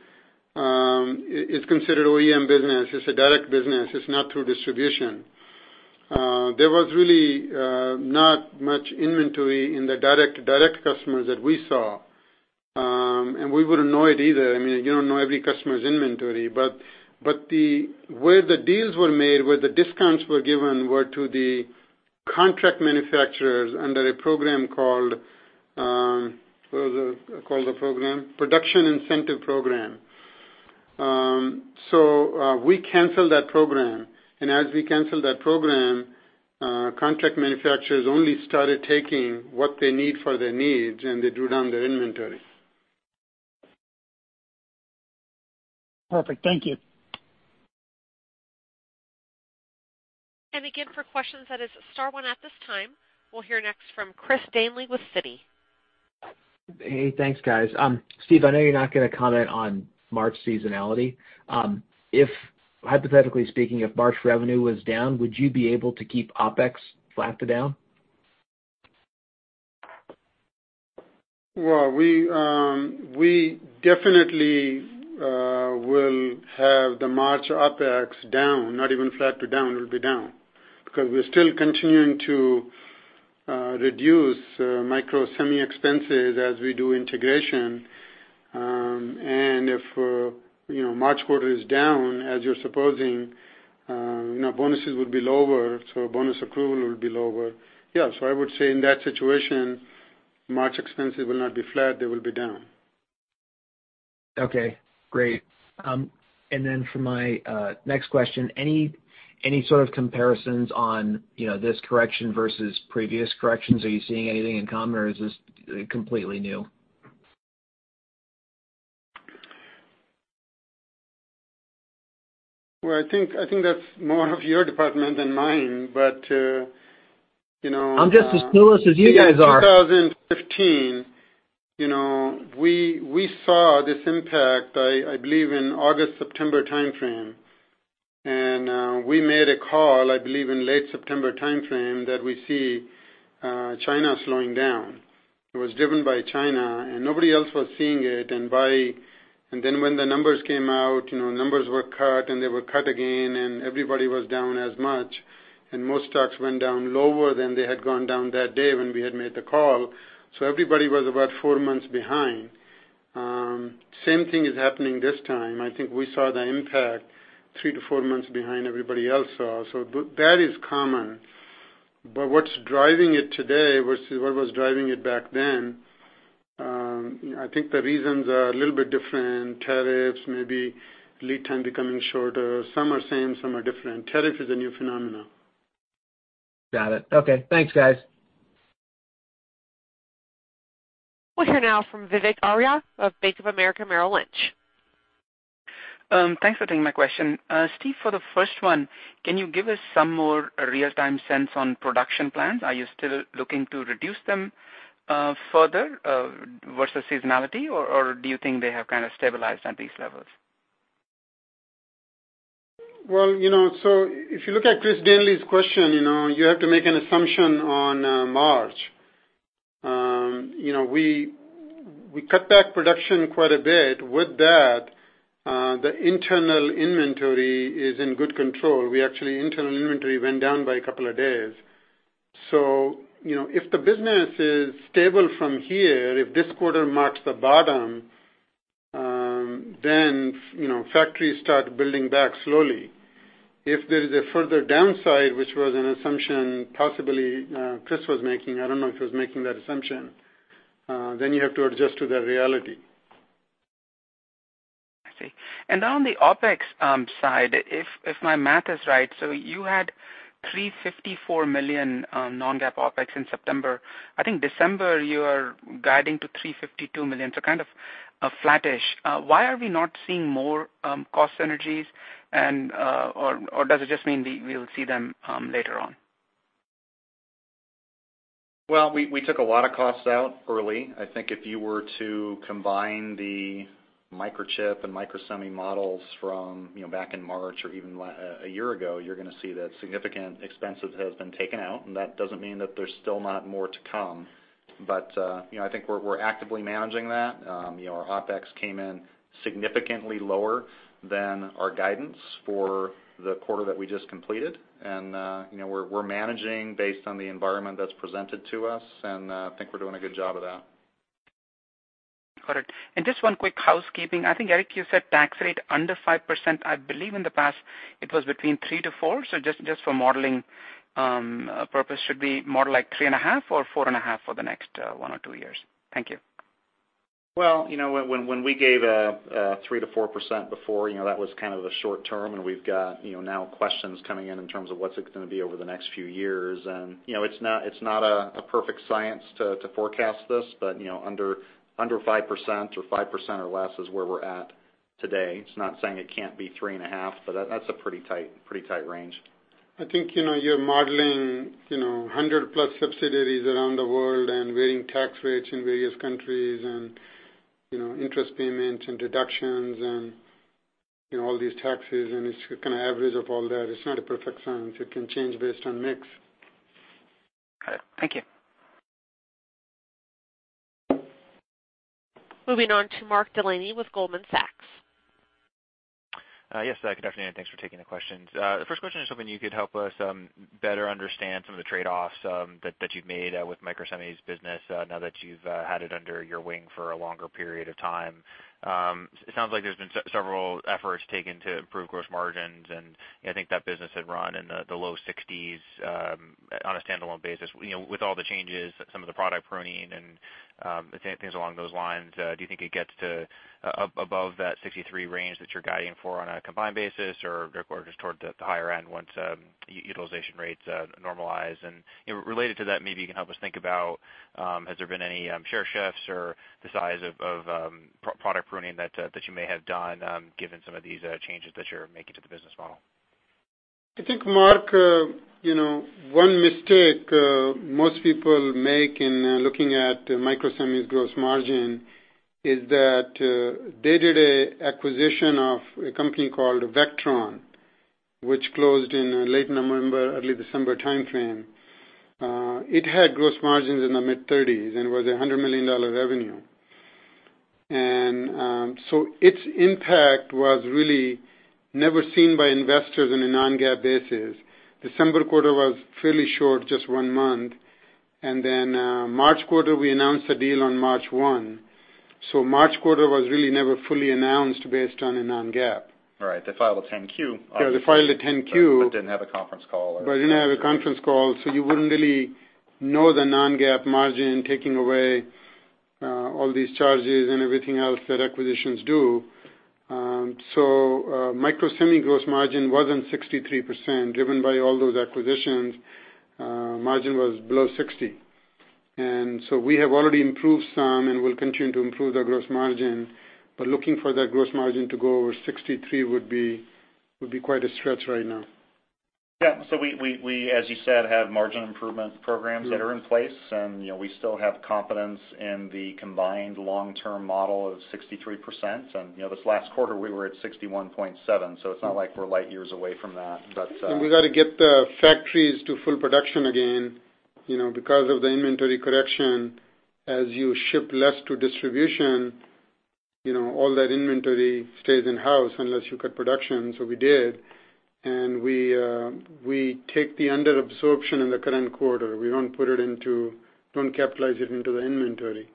it's considered OEM business. It's a direct business. It's not through distribution. There was really not much inventory in the direct customers that we saw. We wouldn't know it either. You don't know every customer's inventory. Where the deals were made, where the discounts were given, were to the contract manufacturers under a program called, what was it called, a program? Production incentive program. We canceled that program, as we canceled that program, contract manufacturers only started taking what they need for their needs, and they drew down their inventory. Perfect. Thank you. Again, for questions, that is star one at this time. We'll hear next from Chris Danely with Citi. Hey, thanks, guys. Steve, I know you're not going to comment on March seasonality. Hypothetically speaking, if March revenue was down, would you be able to keep OpEx flat to down? Well, we definitely will have the March OpEx down, not even flat to down. It'll be down, because we're still continuing to reduce Microsemi expenses as we do integration. If March quarter is down, as you're supposing, bonuses would be lower, so bonus accrual would be lower. Yeah. I would say in that situation, March expenses will not be flat. They will be down. Okay, great. For my next question, any sort of comparisons on this correction versus previous corrections? Are you seeing anything in common, or is this completely new? Well, I think that's more of your department than mine. I'm just as clueless as you guys are in 2015, we saw this impact, I believe in August-September timeframe. We made a call, I believe, in late September timeframe that we see China slowing down. It was driven by China, nobody else was seeing it. When the numbers came out, numbers were cut, they were cut again, everybody was down as much, most stocks went down lower than they had gone down that day when we had made the call. Everybody was about four months behind. Same thing is happening this time. I think we saw the impact three to four months behind everybody else saw. That is common. What's driving it today versus what was driving it back then, I think the reasons are a little bit different. Tariffs, maybe lead time becoming shorter. Some are same, some are different. Tariff is a new phenomenon. Got it. Okay. Thanks, guys. We'll hear now from Vivek Arya of Bank of America Merrill Lynch. Thanks for taking my question. Steve, for the first one, can you give us some more real-time sense on production plans? Are you still looking to reduce them further versus seasonality, or do you think they have kind of stabilized at these levels? Well, if you look at Chris Danely's question, you have to make an assumption on March. We cut back production quite a bit. With that, the internal inventory is in good control. Actually, internal inventory went down by a couple of days. If the business is stable from here, if this quarter marks the bottom, then factories start building back slowly. If there is a further downside, which was an assumption possibly Chris was making, I don't know if he was making that assumption, then you have to adjust to the reality. I see. On the OpEx side, if my math is right, you had $354 million non-GAAP OpEx in September. I think December, you are guiding to $352 million, kind of flattish. Why are we not seeing more cost synergies, or does it just mean we'll see them later on? Well, we took a lot of costs out early. I think if you were to combine the Microchip and Microsemi models from back in March or even a year ago, you're going to see that significant expenses have been taken out, and that doesn't mean that there's still not more to come. I think we're actively managing that. Our OpEx came in significantly lower than our guidance for the quarter that we just completed. We're managing based on the environment that's presented to us, and I think we're doing a good job of that. Got it. Just one quick housekeeping. I think, Eric, you said tax rate under 5%. I believe in the past it was between 3%-4%. Just for modeling purpose, should we model like 3.5% or 4.5% for the next one or two years? Thank you. Well, when we gave 3% to 4% before, that was kind of the short term, and we've got now questions coming in terms of what's it going to be over the next few years. It's not a perfect science to forecast this, under 5% or 5% or less is where we're at today. It's not saying it can't be 3.5%, that's a pretty tight range. I think, you're modeling 100+ subsidiaries around the world and varying tax rates in various countries and interest payments and deductions and all these taxes, and it's an average of all that. It's not a perfect science. It can change based on mix. Got it. Thank you. Moving on to Mark Delaney with Goldman Sachs. Yes. Good afternoon, and thanks for taking the questions. The first question is hoping you could help us better understand some of the trade-offs that you've made with Microsemi's business now that you've had it under your wing for a longer period of time. It sounds like there's been several efforts taken to improve gross margins, and I think that business had run in the low 60%s on a standalone basis. With all the changes, some of the product pruning and things along those lines, do you think it gets to above that 63% range that you're guiding for on a combined basis? Or just toward the higher end once utilization rates normalize? Related to that, maybe you can help us think about, has there been any share shifts or the size of product pruning that you may have done given some of these changes that you're making to the business model? I think, Mark, one mistake most people make in looking at Microsemi's gross margin is that they did an acquisition of a company called Vectron, which closed in late November, early December timeframe. It had gross margins in the mid-30s and was $100 million revenue. Its impact was really never seen by investors in a non-GAAP basis. December quarter was fairly short, just one month. March quarter, we announced the deal on March 1. March quarter was really never fully announced based on a non-GAAP. Right. They filed a 10-Q. Yeah, they filed a 10-Q. Didn't have a conference call or Didn't have a conference call, so you wouldn't really know the non-GAAP margin, taking away all these charges and everything else that acquisitions do. Microsemi gross margin wasn't 63%, driven by all those acquisitions. Margin was below 60%. We have already improved some and will continue to improve the gross margin, but looking for that gross margin to go over 63% would be quite a stretch right now. Yeah. We, as you said, have margin improvement programs that are in place, and we still have confidence in the combined long-term model of 63%. This last quarter, we were at 61.7%, so it's not like we're light years away from that. We got to get the factories to full production again. Because of the inventory correction, as you ship less to distribution, all that inventory stays in-house unless you cut production. We did, and we take the under absorption in the current quarter. We don't capitalize it into the inventory.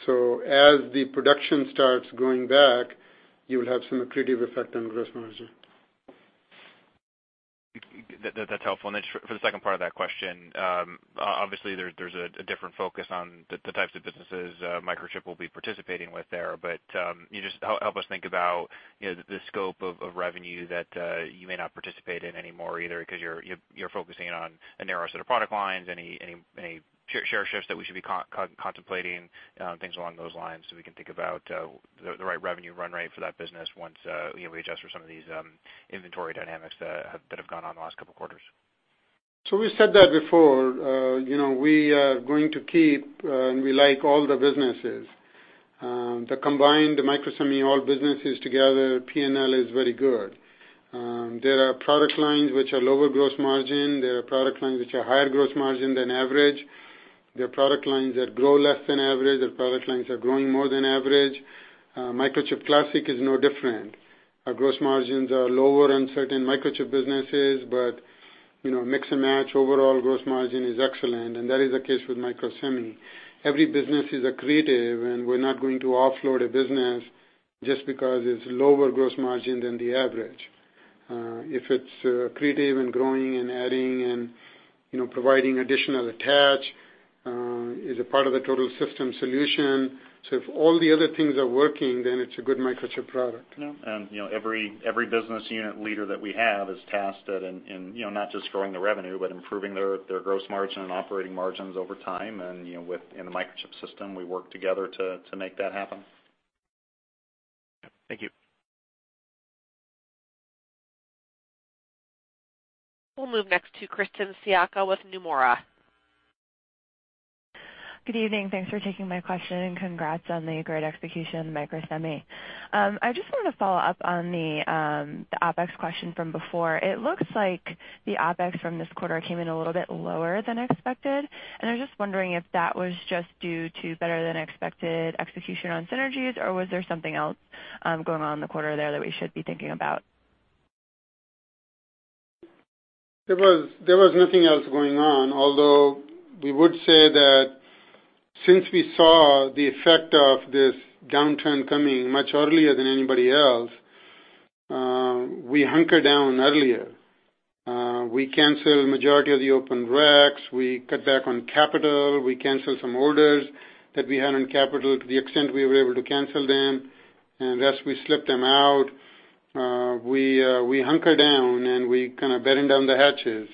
As the production starts going back, you'll have some accretive effect on gross margin. That's helpful. Then for the second part of that question, obviously, there's a different focus on the types of businesses Microchip will be participating with there. Can you just help us think about the scope of revenue that you may not participate in anymore either because you're focusing on a narrower set of product lines, any share shifts that we should be contemplating, things along those lines so we can think about the right revenue run rate for that business once we adjust for some of these inventory dynamics that have gone on the last couple of quarters? We said that before. We are going to keep, and we like all the businesses. The combined Microsemi, all businesses together, P&L is very good. There are product lines which are lower gross margin. There are product lines which are higher gross margin than average. There are product lines that grow less than average. There are product lines that are growing more than average. Microchip Classic is no different. Our gross margins are lower on certain Microchip businesses, mix and match overall gross margin is excellent, and that is the case with Microsemi. Every business is creative, we're not going to offload a business just because it's lower gross margin than the average. If it's creative and growing and adding and providing additional attach, is a part of the total system solution. If all the other things are working, it's a good Microchip product. Yeah. Every business unit leader that we have is tasked at in not just growing the revenue, improving their gross margin and operating margins over time. Within the Microchip system, we work together to make that happen. Yep. Thank you. We'll move next to Kristen Siaka with Nomura. Good evening. Thanks for taking my question, congrats on the great execution of Microsemi. I just wanted to follow up on the OpEx question from before. It looks like the OpEx from this quarter came in a little bit lower than expected, I was just wondering if that was just due to better than expected execution on synergies, or was there something else going on in the quarter there that we should be thinking about? There was nothing else going on. Although, we would say that since we saw the effect of this downturn coming much earlier than anybody else, we hunkered down earlier. We canceled the majority of the open racks. We cut back on capital. We canceled some orders that we had on capital to the extent we were able to cancel them, and the rest, we slipped them out. We hunkered down, and we kind of batten down the hatches.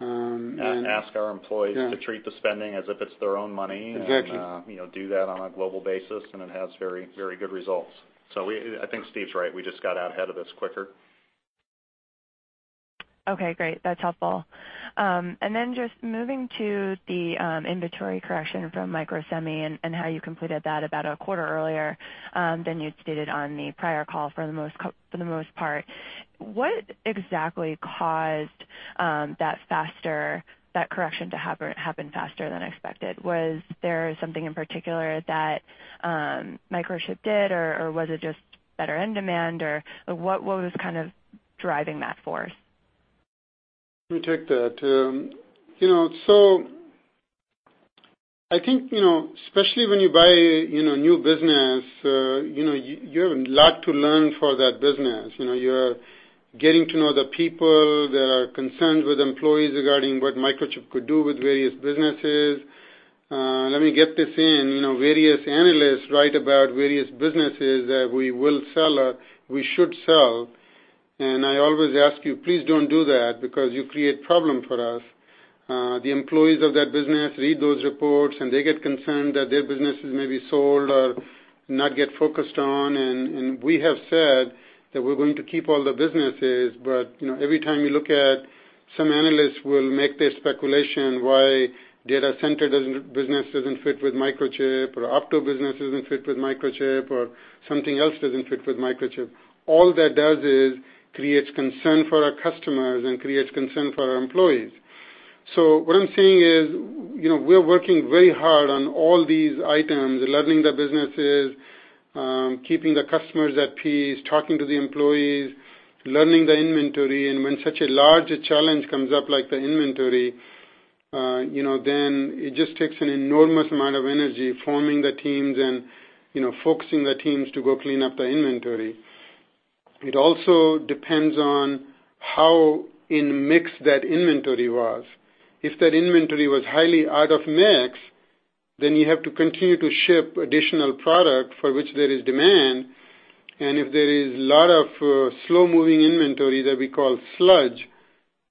Ask our employees to treat the spending as if it's their own money. Exactly. Do that on a global basis. It has very good results. I think Steve's right. We just got out ahead of this quicker. Okay, great. That's helpful. Just moving to the inventory correction from Microsemi and how you completed that about a quarter earlier than you'd stated on the prior call for the most part, what exactly caused that correction to happen faster than expected? Was there something in particular that Microchip did, or was it just better end demand, or what was kind of driving that force? Let me take that. I think, especially when you buy new business, you have a lot to learn for that business. You're getting to know the people. There are concerns with employees regarding what Microchip could do with various businesses. Let me get this in. Various analysts write about various businesses that we will sell or we should sell. I always ask you, please don't do that because you create problem for us. The employees of that business read those reports. They get concerned that their business is maybe sold or not get focused on. We have said that we're going to keep all the businesses, every time you look at some analysts will make their speculation why data center business doesn't fit with Microchip, or Opto business doesn't fit with Microchip, or something else doesn't fit with Microchip. All that does is creates concern for our customers and creates concern for our employees. What I'm saying is, we're working very hard on all these items, learning the businesses, keeping the customers at peace, talking to the employees, learning the inventory. When such a large challenge comes up, like the inventory, it just takes an enormous amount of energy forming the teams and focusing the teams to go clean up the inventory. It also depends on how in mix that inventory was. If that inventory was highly out of mix, then you have to continue to ship additional product for which there is demand. If there is lot of slow-moving inventory that we call sludge,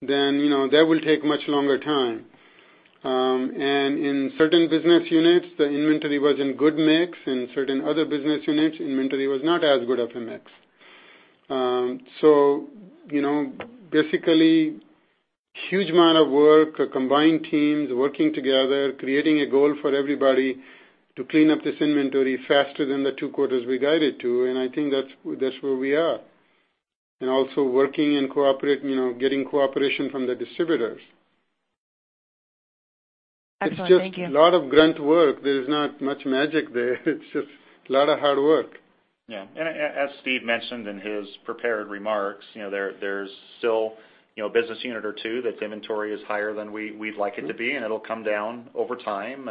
then that will take much longer time. In certain business units, the inventory was in good mix. Certain other business units, inventory was not as good of a mix. Basically, huge amount of work, combined teams working together, creating a goal for everybody to clean up this inventory faster than the two quarters we guided to. I think that's where we are. Also working and getting cooperation from the distributors. Excellent. Thank you. It's just a lot of grunt work. There is not much magic there. It's just a lot of hard work. Yeah. As Steve mentioned in his prepared remarks, there's still a business unit or two that's inventory is higher than we'd like it to be. It'll come down over time.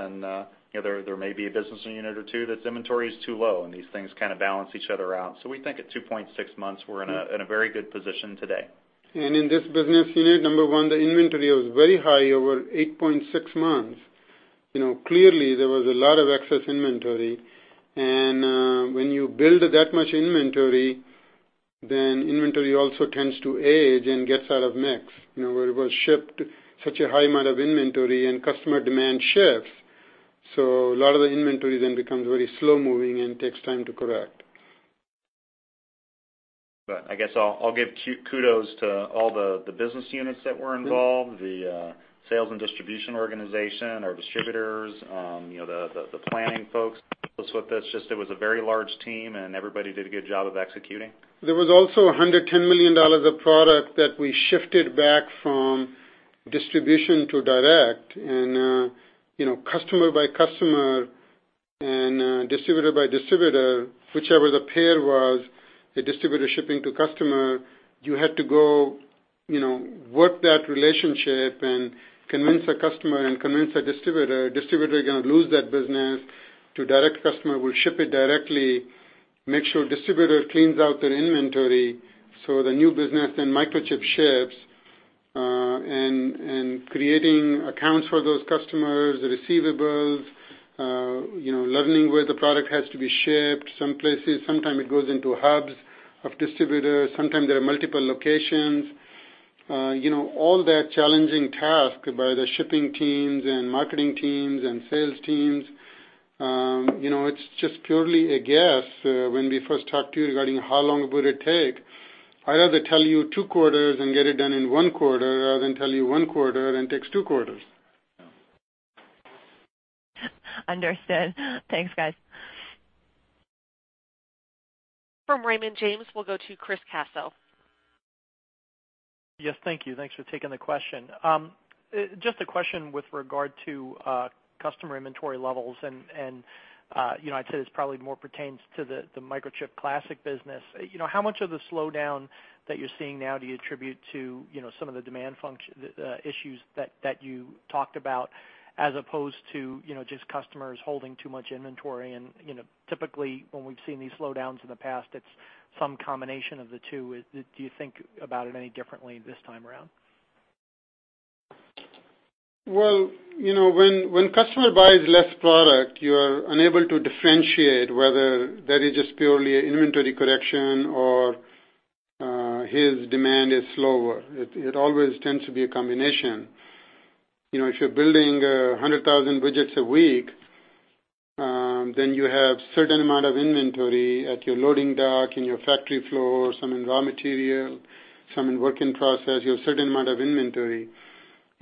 There may be a business unit or two that's inventory is too low. These things kind of balance each other out. We think at 2.6 months, we're in a very good position today. In this business unit, number one, the inventory was very high, over 8.6 months. Clearly, there was a lot of excess inventory. When you build that much inventory also tends to age and gets out of mix. Where it was shipped such a high amount of inventory and customer demand shifts, a lot of the inventory becomes very slow-moving and takes time to correct. I guess I'll give kudos to all the business units that were involved, the sales and distribution organization, our distributors, the planning folks that's with us. It was a very large team, everybody did a good job of executing. There was also $110 million of product that we shifted back from distribution to direct. Customer by customer and distributor by distributor, whichever the pair was, the distributor shipping to customer, you had to go work that relationship and convince a customer and convince a distributor. Distributor is going to lose that business to direct customer, we'll ship it directly, make sure distributor cleans out their inventory so the new business and Microchip ships, and creating accounts for those customers, the receivables, learning where the product has to be shipped. Some places, sometimes it goes into hubs of distributors, sometimes there are multiple locations. All that challenging task by the shipping teams and marketing teams and sales teams, it's just purely a guess when we first talk to you regarding how long would it take. I'd rather tell you two quarters and get it done in one quarter, rather than tell you one quarter and it takes two quarters. Understood. Thanks, guys. From Raymond James, we'll go to Chris Caso. Yes, thank you. Thanks for taking the question. Just a question with regard to customer inventory levels, and I'd say this probably more pertains to the Microchip classic business. How much of the slowdown that you're seeing now do you attribute to some of the demand function issues that you talked about, as opposed to just customers holding too much inventory and typically, when we've seen these slowdowns in the past, it's some combination of the two. Do you think about it any differently this time around? Well, when customer buys less product, you're unable to differentiate whether that is just purely an inventory correction or his demand is slower. It always tends to be a combination. If you're building 100,000 widgets a week, then you have certain amount of inventory at your loading dock, in your factory floor, some in raw material, some in work in process, you have a certain amount of inventory.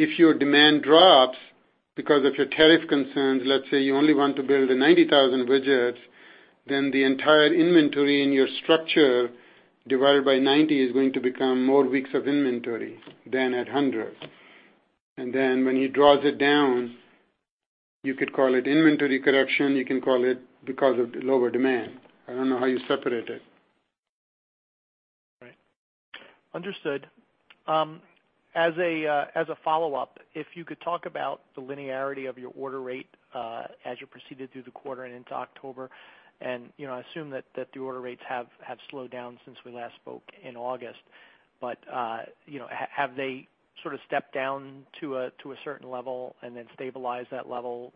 If your demand drops because of your tariff concerns, let's say you only want to build 90,000 widgets, then the entire inventory in your structure divided by 90 is going to become more weeks of inventory than at 100. Then when he draws it down, you could call it inventory correction, you can call it because of lower demand. I don't know how you separate it. Right. Understood. As a follow-up, if you could talk about the linearity of your order rate, as you proceeded through the quarter and into October, I assume that the order rates have slowed down since we last spoke in August. Have they sort of stepped down to a certain level and then stabilized that level,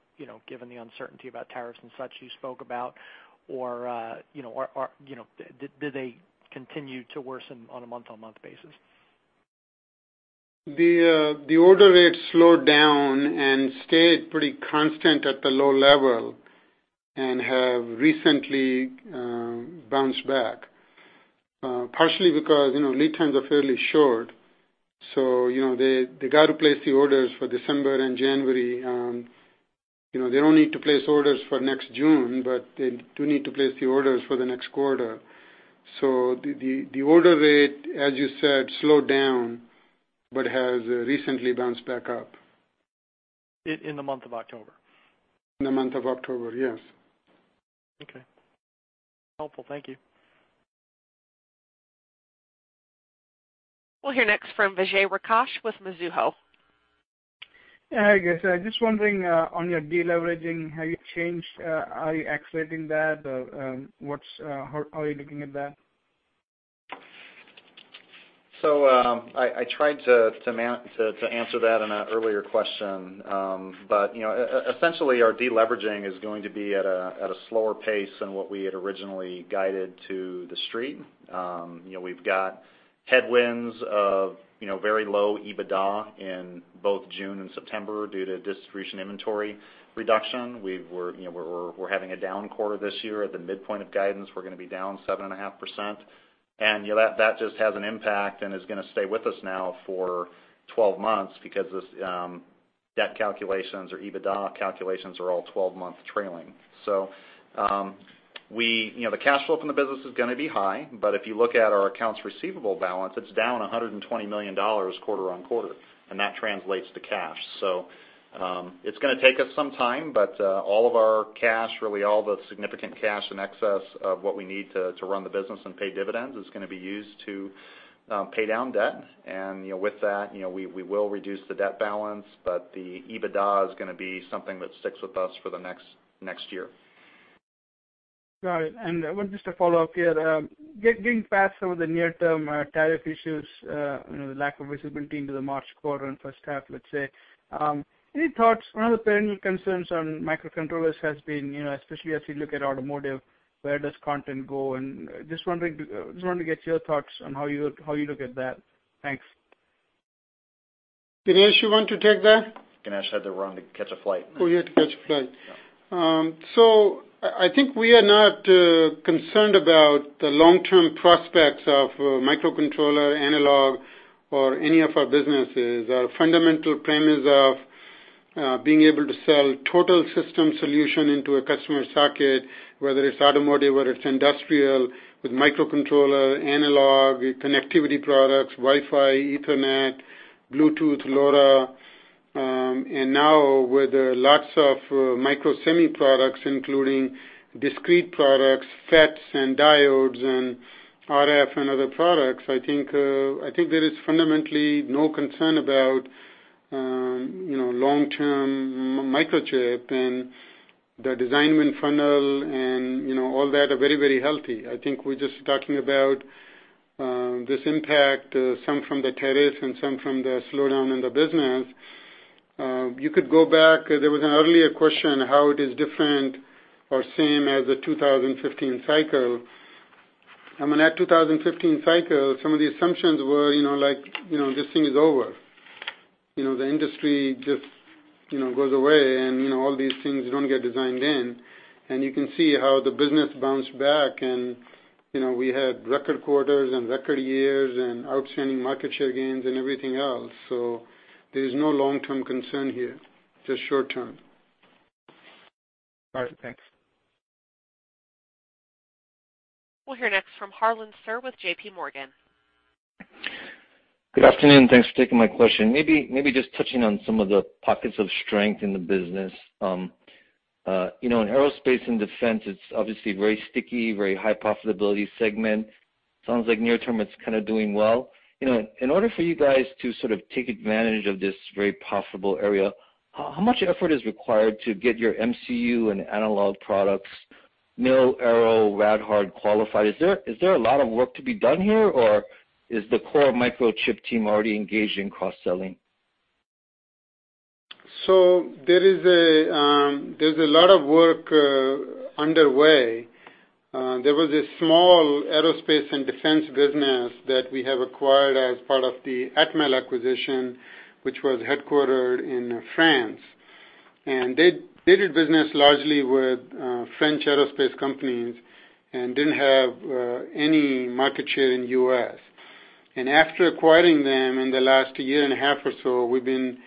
given the uncertainty about tariffs and such you spoke about? Did they continue to worsen on a month-on-month basis? The order rate slowed down and stayed pretty constant at the low level and have recently bounced back. Partially because lead times are fairly short, they got to place the orders for December and January. They don't need to place orders for next June, they do need to place the orders for the next quarter. The order rate, as you said, slowed down, but has recently bounced back up. In the month of October? In the month of October, yes. Okay. Helpful. Thank you. We'll hear next from Vijay Rakesh with Mizuho. Yeah. Hi, guys. Just wondering, on your de-leveraging, have you changed? Are you accelerating that? How are you looking at that? I tried to answer that in an earlier question. Essentially, our de-leveraging is going to be at a slower pace than what we had originally guided to the street. We've got headwinds of very low EBITDA in both June and September due to distribution inventory reduction. We're having a down quarter this year. At the midpoint of guidance, we're going to be down 7.5%. That just has an impact and is going to stay with us now for 12 months because this debt calculations or EBITDA calculations are all 12-month trailing. The cash flow from the business is going to be high, but if you look at our accounts receivable balance, it's down $120 million quarter-on-quarter, and that translates to cash. It's going to take us some time, but all of our cash, really all the significant cash in excess of what we need to run the business and pay dividends is going to be used to pay down debt. With that, we will reduce the debt balance, but the EBITDA is going to be something that sticks with us for the next year. Got it. Just a follow-up here. Getting past some of the near-term tariff issues, the lack of visibility into the March quarter and first half, let's say. Any thoughts, one of the perennial concerns on microcontrollers has been, especially as you look at automotive, where does content go? Just wondering to get your thoughts on how you look at that. Thanks. Ganesh, you want to take that? Ganesh had to run to catch a flight. Oh, he had to catch a flight. Yeah. I think we are not concerned about the long-term prospects of microcontroller, analog or any of our businesses. Our fundamental premise of being able to sell total system solution into a customer socket, whether it's automotive, whether it's industrial, with microcontroller, analog, connectivity products, Wi-Fi, Ethernet, Bluetooth, LoRa, and now with lots of Microsemi products, including discrete products, FETs and diodes, and RF and other products, I think there is fundamentally no concern about long-term Microchip and the design win funnel and all that are very healthy. I think we're just talking about this impact, some from the tariffs and some from the slowdown in the business. You could go back, there was an earlier question, how it is different or same as the 2015 cycle. In that 2015 cycle, some of the assumptions were like, this thing is over. The industry just goes away and all these things don't get designed in. You can see how the business bounced back and we had record quarters and record years and outstanding market share gains and everything else. There's no long-term concern here, just short-term. All right, thanks. We'll hear next from Harlan Sur with J.P. Morgan. Good afternoon, Thanks for taking my question. Maybe just touching on some of the pockets of strength in the business. In aerospace and defense, it's obviously very sticky, very high profitability segment. Sounds like near term it's kind of doing well. In order for you guys to sort of take advantage of this very profitable area, how much effort is required to get your MCU and analog products, mil-aero rad-hard qualified? Is there a lot of work to be done here, or is the core Microchip team already engaged in cross-selling? There's a lot of work underway. There was a small aerospace and defense business that we have acquired as part of the Atmel acquisition, which was headquartered in France. They did business largely with French aerospace companies and didn't have any market share in U.S. After acquiring them in the last year and a half or so, we've been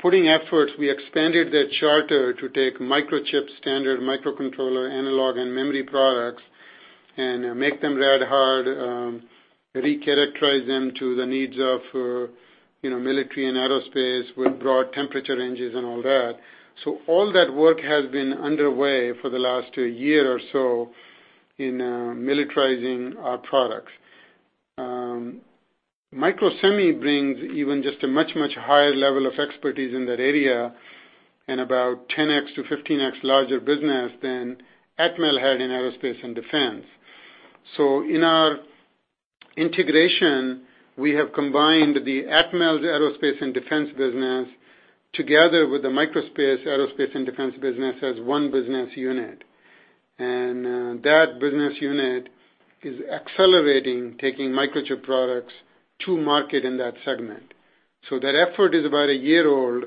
putting efforts. We expanded their charter to take Microchip standard microcontroller, analog, and memory products and make them rad-hard, recharacterize them to the needs of military and aerospace with broad temperature ranges and all that. All that work has been underway for the last year or so in militarizing our products. Microsemi brings even just a much higher level of expertise in that area and about 10x to 15x larger business than Atmel had in aerospace and defense. In our integration, we have combined the Atmel aerospace and defense business together with the Microsemi aerospace and defense business as one business unit. That business unit is accelerating, taking Microchip products to market in that segment. That effort is about a year old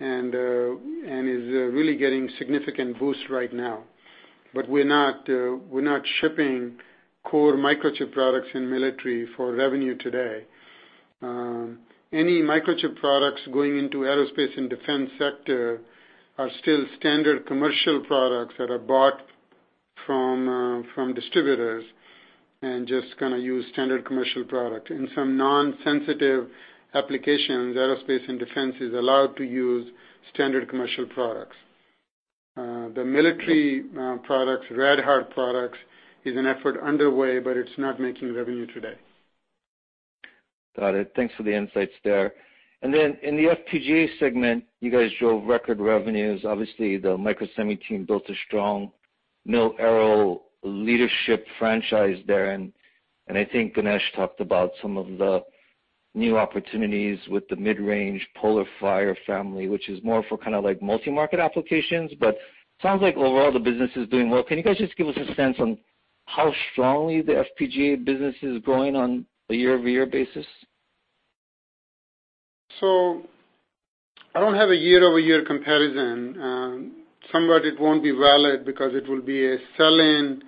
and is really getting significant boost right now. We're not shipping core Microchip products in military for revenue today. Any Microchip products going into aerospace and defense sector are still standard commercial products that are bought from distributors and just kind of use standard commercial product. In some non-sensitive applications, aerospace and defense is allowed to use standard commercial products. The military products, rad-hard products, is an effort underway, but it's not making revenue today. Got it. Thanks for the insights there. In the FPGA segment, you guys drove record revenues. Obviously, the Microsemi team built a strong mil-aero leadership franchise there, I think Ganesh talked about some of the new opportunities with the mid-range PolarFire family, which is more for kind of like multi-market applications, but sounds like overall the business is doing well. Can you guys just give us a sense on how strongly the FPGA business is growing on a year-over-year basis? I don't have a year-over-year comparison. Somewhat it won't be valid because it will be a sell-in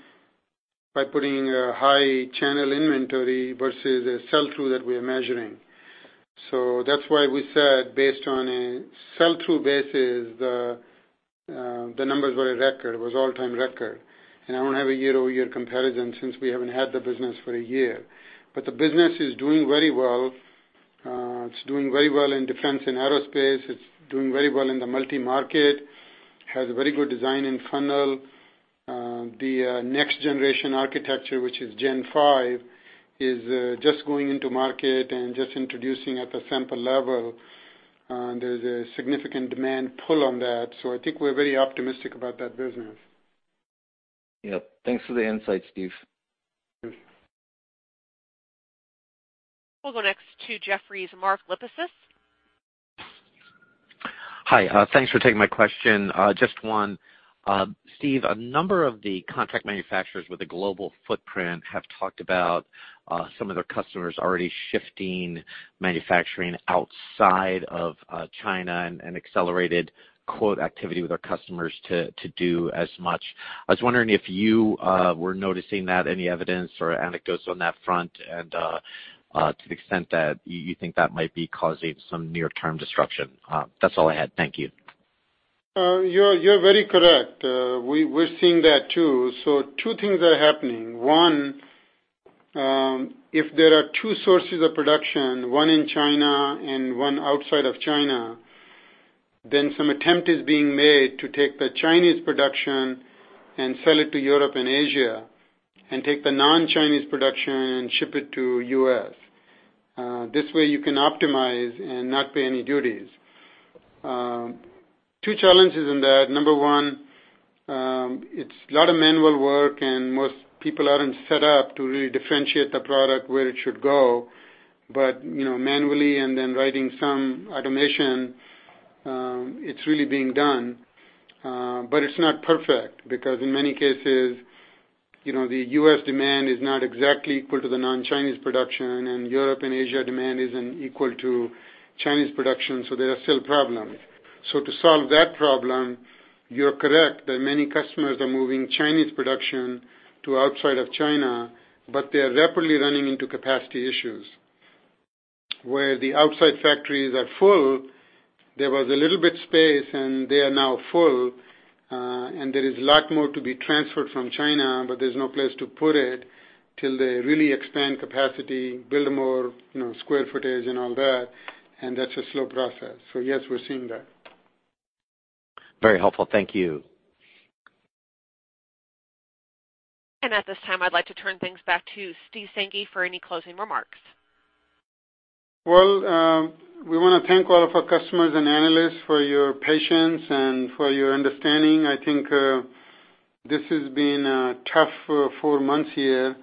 by putting a high channel inventory versus a sell-through that we are measuring. That's why we said, based on a sell-through basis, the numbers were a record. It was all-time record. I don't have a year-over-year comparison since we haven't had the business for a year. The business is doing very well. It's doing very well in defense and aerospace. It's doing very well in the multi-market, has very good design in funnel. The next generation architecture, which is Gen5, is just going into market and just introducing at the sample level. There's a significant demand pull on that, so I think we're very optimistic about that business. Yep. Thanks for the insights, Steve. Sure. We'll go next to Jefferies, Mark Lipacis. Hi, thanks for taking my question, just one. Steve, a number of the contract manufacturers with a global footprint have talked about some of their customers already shifting manufacturing outside of China and accelerated "activity" with their customers to do as much. I was wondering if you were noticing that, any evidence or anecdotes on that front, and to the extent that you think that might be causing some near-term disruption. That's all I had. Thank you. You're very correct. We're seeing that too. Two things are happening. One, if there are two sources of production, one in China and one outside of China, then some attempt is being made to take the Chinese production and sell it to Europe and Asia, and take the non-Chinese production and ship it to U.S. This way you can optimize and not pay any duties. Two challenges in that. Number one, it's a lot of manual work, and most people aren't set up to really differentiate the product where it should go. Manually, and then writing some automation, it's really being done. It's not perfect, because in many cases, the U.S. demand is not exactly equal to the non-Chinese production, and Europe and Asia demand isn't equal to Chinese production, so there are still problems. To solve that problem, you're correct that many customers are moving Chinese production to outside of China, but they are rapidly running into capacity issues. Where the outside factories are full, there was a little bit space, and they are now full, and there is a lot more to be transferred from China, but there's no place to put it till they really expand capacity, build more square footage and all that, and that's a slow process. Yes, we're seeing that. Very helpful. Thank you. At this time, I'd like to turn things back to Steve Sanghi for any closing remarks. Well, we want to thank all of our customers and analysts for your patience and for your understanding. I think this has been a tough four months here,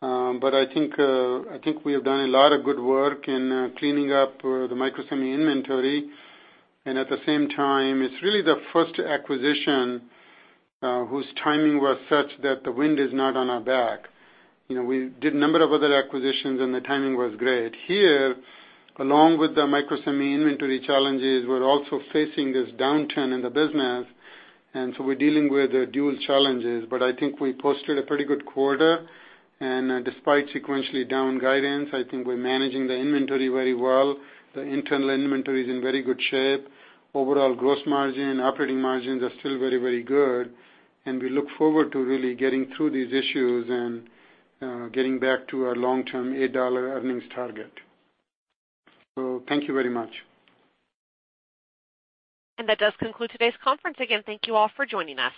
but I think we have done a lot of good work in cleaning up the Microsemi inventory. At the same time, it's really the first acquisition whose timing was such that the wind is not on our back. We did a number of other acquisitions and the timing was great. Here, along with the Microsemi inventory challenges, we're also facing this downturn in the business, we're dealing with dual challenges. I think we posted a pretty good quarter, and despite sequentially down guidance, I think we're managing the inventory very well. The internal inventory is in very good shape. Overall gross margin, operating margins are still very, very good, and we look forward to really getting through these issues and getting back to our long-term $8 earnings target. Thank you very much. That does conclude today's conference. Again, thank you all for joining us.